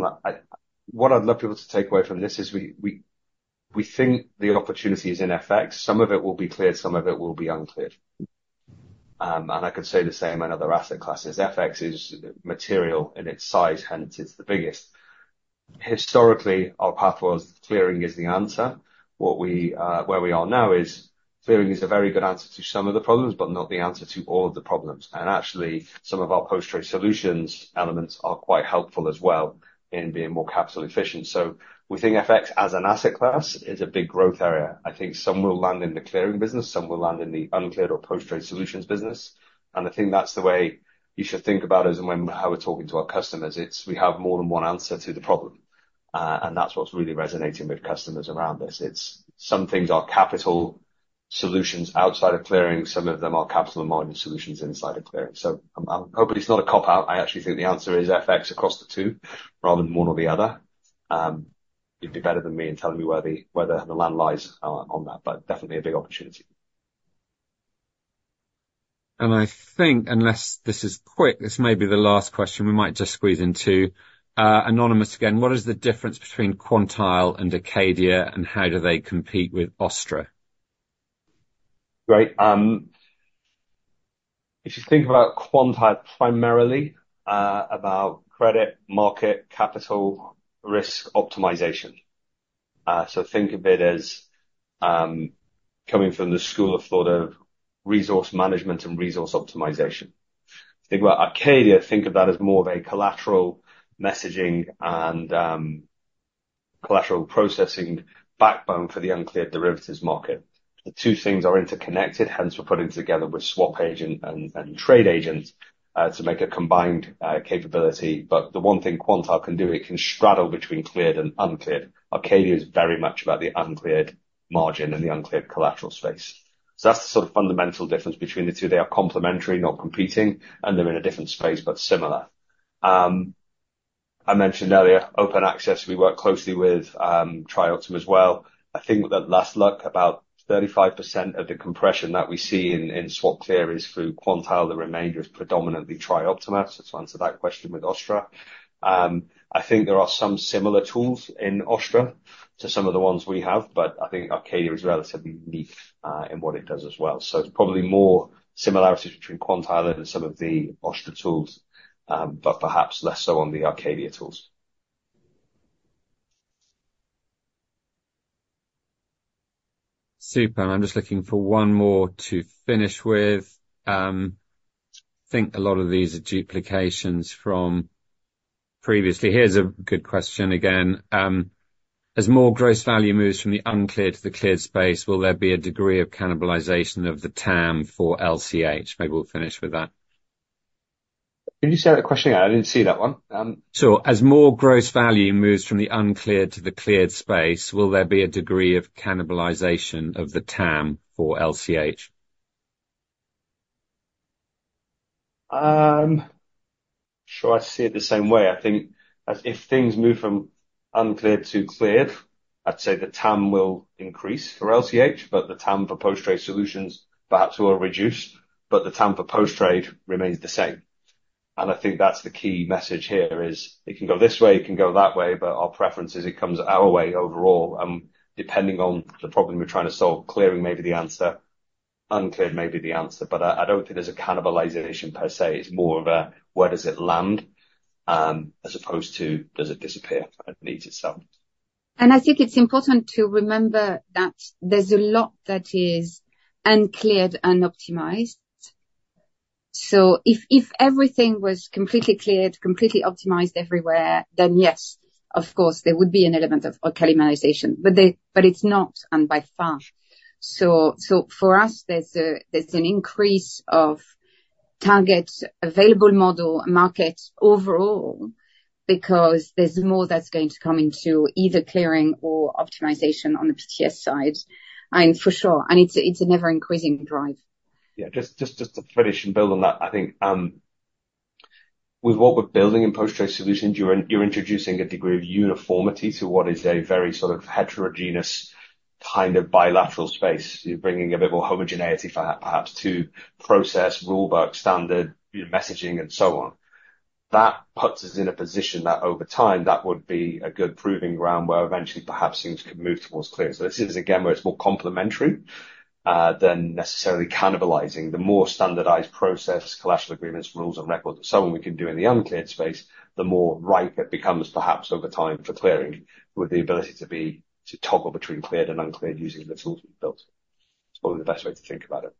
on that, what I'd love people to take away from this is we think the opportunity is in FX. Some of it will be cleared, some of it will be uncleared. And I could say the same in other asset classes. FX is material in its size, hence it's the biggest. Historically, our path was clearing is the answer. Where we are now is, clearing is a very good answer to some of the problems, but not the answer to all of the problems. And actually, some of our Post Trade Solutions elements are quite helpful as well in being more capital efficient. So we think FX, as an asset class, is a big growth area. I think some will land in the clearing business, some will land in the uncleared or Post Trade Solutions business, and I think that's the way you should think about us and when, how we're talking to our customers. It's we have more than one answer to the problem, and that's what's really resonating with customers around this. It's some things are capital solutions outside of clearing, some of them are capital margin solutions inside of clearing. So I'm hopefully, it's not a cop-out. I actually think the answer is FX across the two, rather than one or the other. You'd be better than me in telling me where the land lies on that, but definitely a big opportunity. And I think unless this is quick, this may be the last question. We might just squeeze in two. Anonymous again, "What is the difference between Quantile and Acadia, and how do they compete with OSTTRA? Great. If you think about Quantile, primarily about credit, market, capital, risk optimization. So think of it as coming from the school of thought of resource management and resource optimization. If you think about Acadia, think about it as more of a collateral messaging and collateral processing backbone for the uncleared derivatives market. The two things are interconnected, hence we're putting together with SwapAgent and TradeAgent to make a combined capability. But the one thing Quantile can do, it can straddle between cleared and uncleared. Acadia is very much about the uncleared margin and the uncleared collateral space. So that's the sort of fundamental difference between the two. They are complementary, not competing, and they're in a different space, but similar. I mentioned earlier, Open Access, we work closely with TriOptima as well. I think with that last look, about 35% of the compression that we see in SwapClear is through Quantile. The remainder is predominantly TriOptima. So to answer that question with OSTTRA, I think there are some similar tools in OSTTRA to some of the ones we have, but I think Acadia is relatively unique, in what it does as well. So there's probably more similarities between Quantile and some of the OSTTRA tools, but perhaps less so on the Acadia tools. Super. I'm just looking for one more to finish with. I think a lot of these are duplications from previously. Here's a good question again: "As more gross value moves from the uncleared to the cleared space, will there be a degree of cannibalization of the TAM for LCH?" Maybe we'll finish with that. Can you say that question again? I didn't see that one. Sure. As more gross value moves from the uncleared to the cleared space, will there be a degree of cannibalization of the TAM for LCH? Sure, I see it the same way. I think as if things move from uncleared to cleared, I'd say the TAM will increase for LCH, but the TAM for Post Trade Solutions perhaps will reduce, but the TAM for post trade remains the same. I think that's the key message here, is it can go this way, it can go that way, but our preference is it comes our way overall. Depending on the problem we're trying to solve, clearing may be the answer, uncleared may be the answer, but I don't think there's a cannibalization per se. It's more of a where does it land, as opposed to does it disappear? I believe it's some. I think it's important to remember that there's a lot that is uncleared and optimized. So if everything was completely cleared, completely optimized everywhere, then yes, of course, there would be an element of cannibalization. But it's not, and by far. So for us, there's an increase of target available model markets overall, because there's more that's going to come into either clearing or optimization on the PTS side, and for sure, it's an ever-increasing drive. Yeah. Just to finish and build on that, I think, with what we're building in Post Trade Solutions, you're introducing a degree of uniformity to what is a very sort of heterogeneous, kind of bilateral space. You're bringing a bit more homogeneity for perhaps to process, rule book, standard, you know, messaging, and so on. That puts us in a position that over time, that would be a good proving ground, where eventually, perhaps things could move towards clearance. So this is again, where it's more complementary than necessarily cannibalizing. The more standardized process, collateral agreements, rules, and records, so what we can do in the uncleared space, the more ripe it becomes, perhaps over time, for clearing, with the ability to toggle between cleared and uncleared using the tools we've built. It's probably the best way to think about it.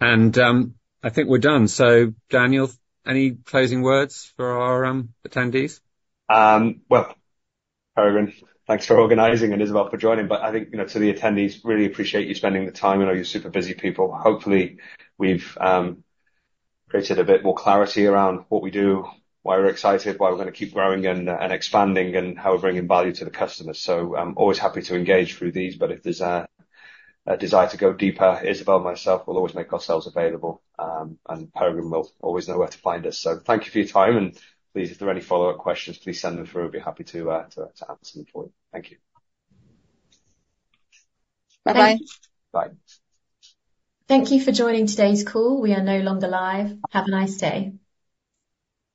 And, I think we're done. So, Daniel, any closing words for our attendees? Well, Peregrine, thanks for organizing, and Isabelle for joining. I think, you know, to the attendees, really appreciate you spending the time. I know you're super busy people. Hopefully, we've created a bit more clarity around what we do, why we're excited, why we're gonna keep growing and expanding, and how we're bringing value to the customer. I'm always happy to engage through these, but if there's a desire to go deeper, Isabelle or myself will always make ourselves available, and Peregrine will always know where to find us. Thank you for your time, and please, if there are any follow-up questions, please send them through. We'd be happy to answer them for you. Thank you. Bye-bye. Bye. Thank you for joining today's call. We are no longer live. Have a nice day.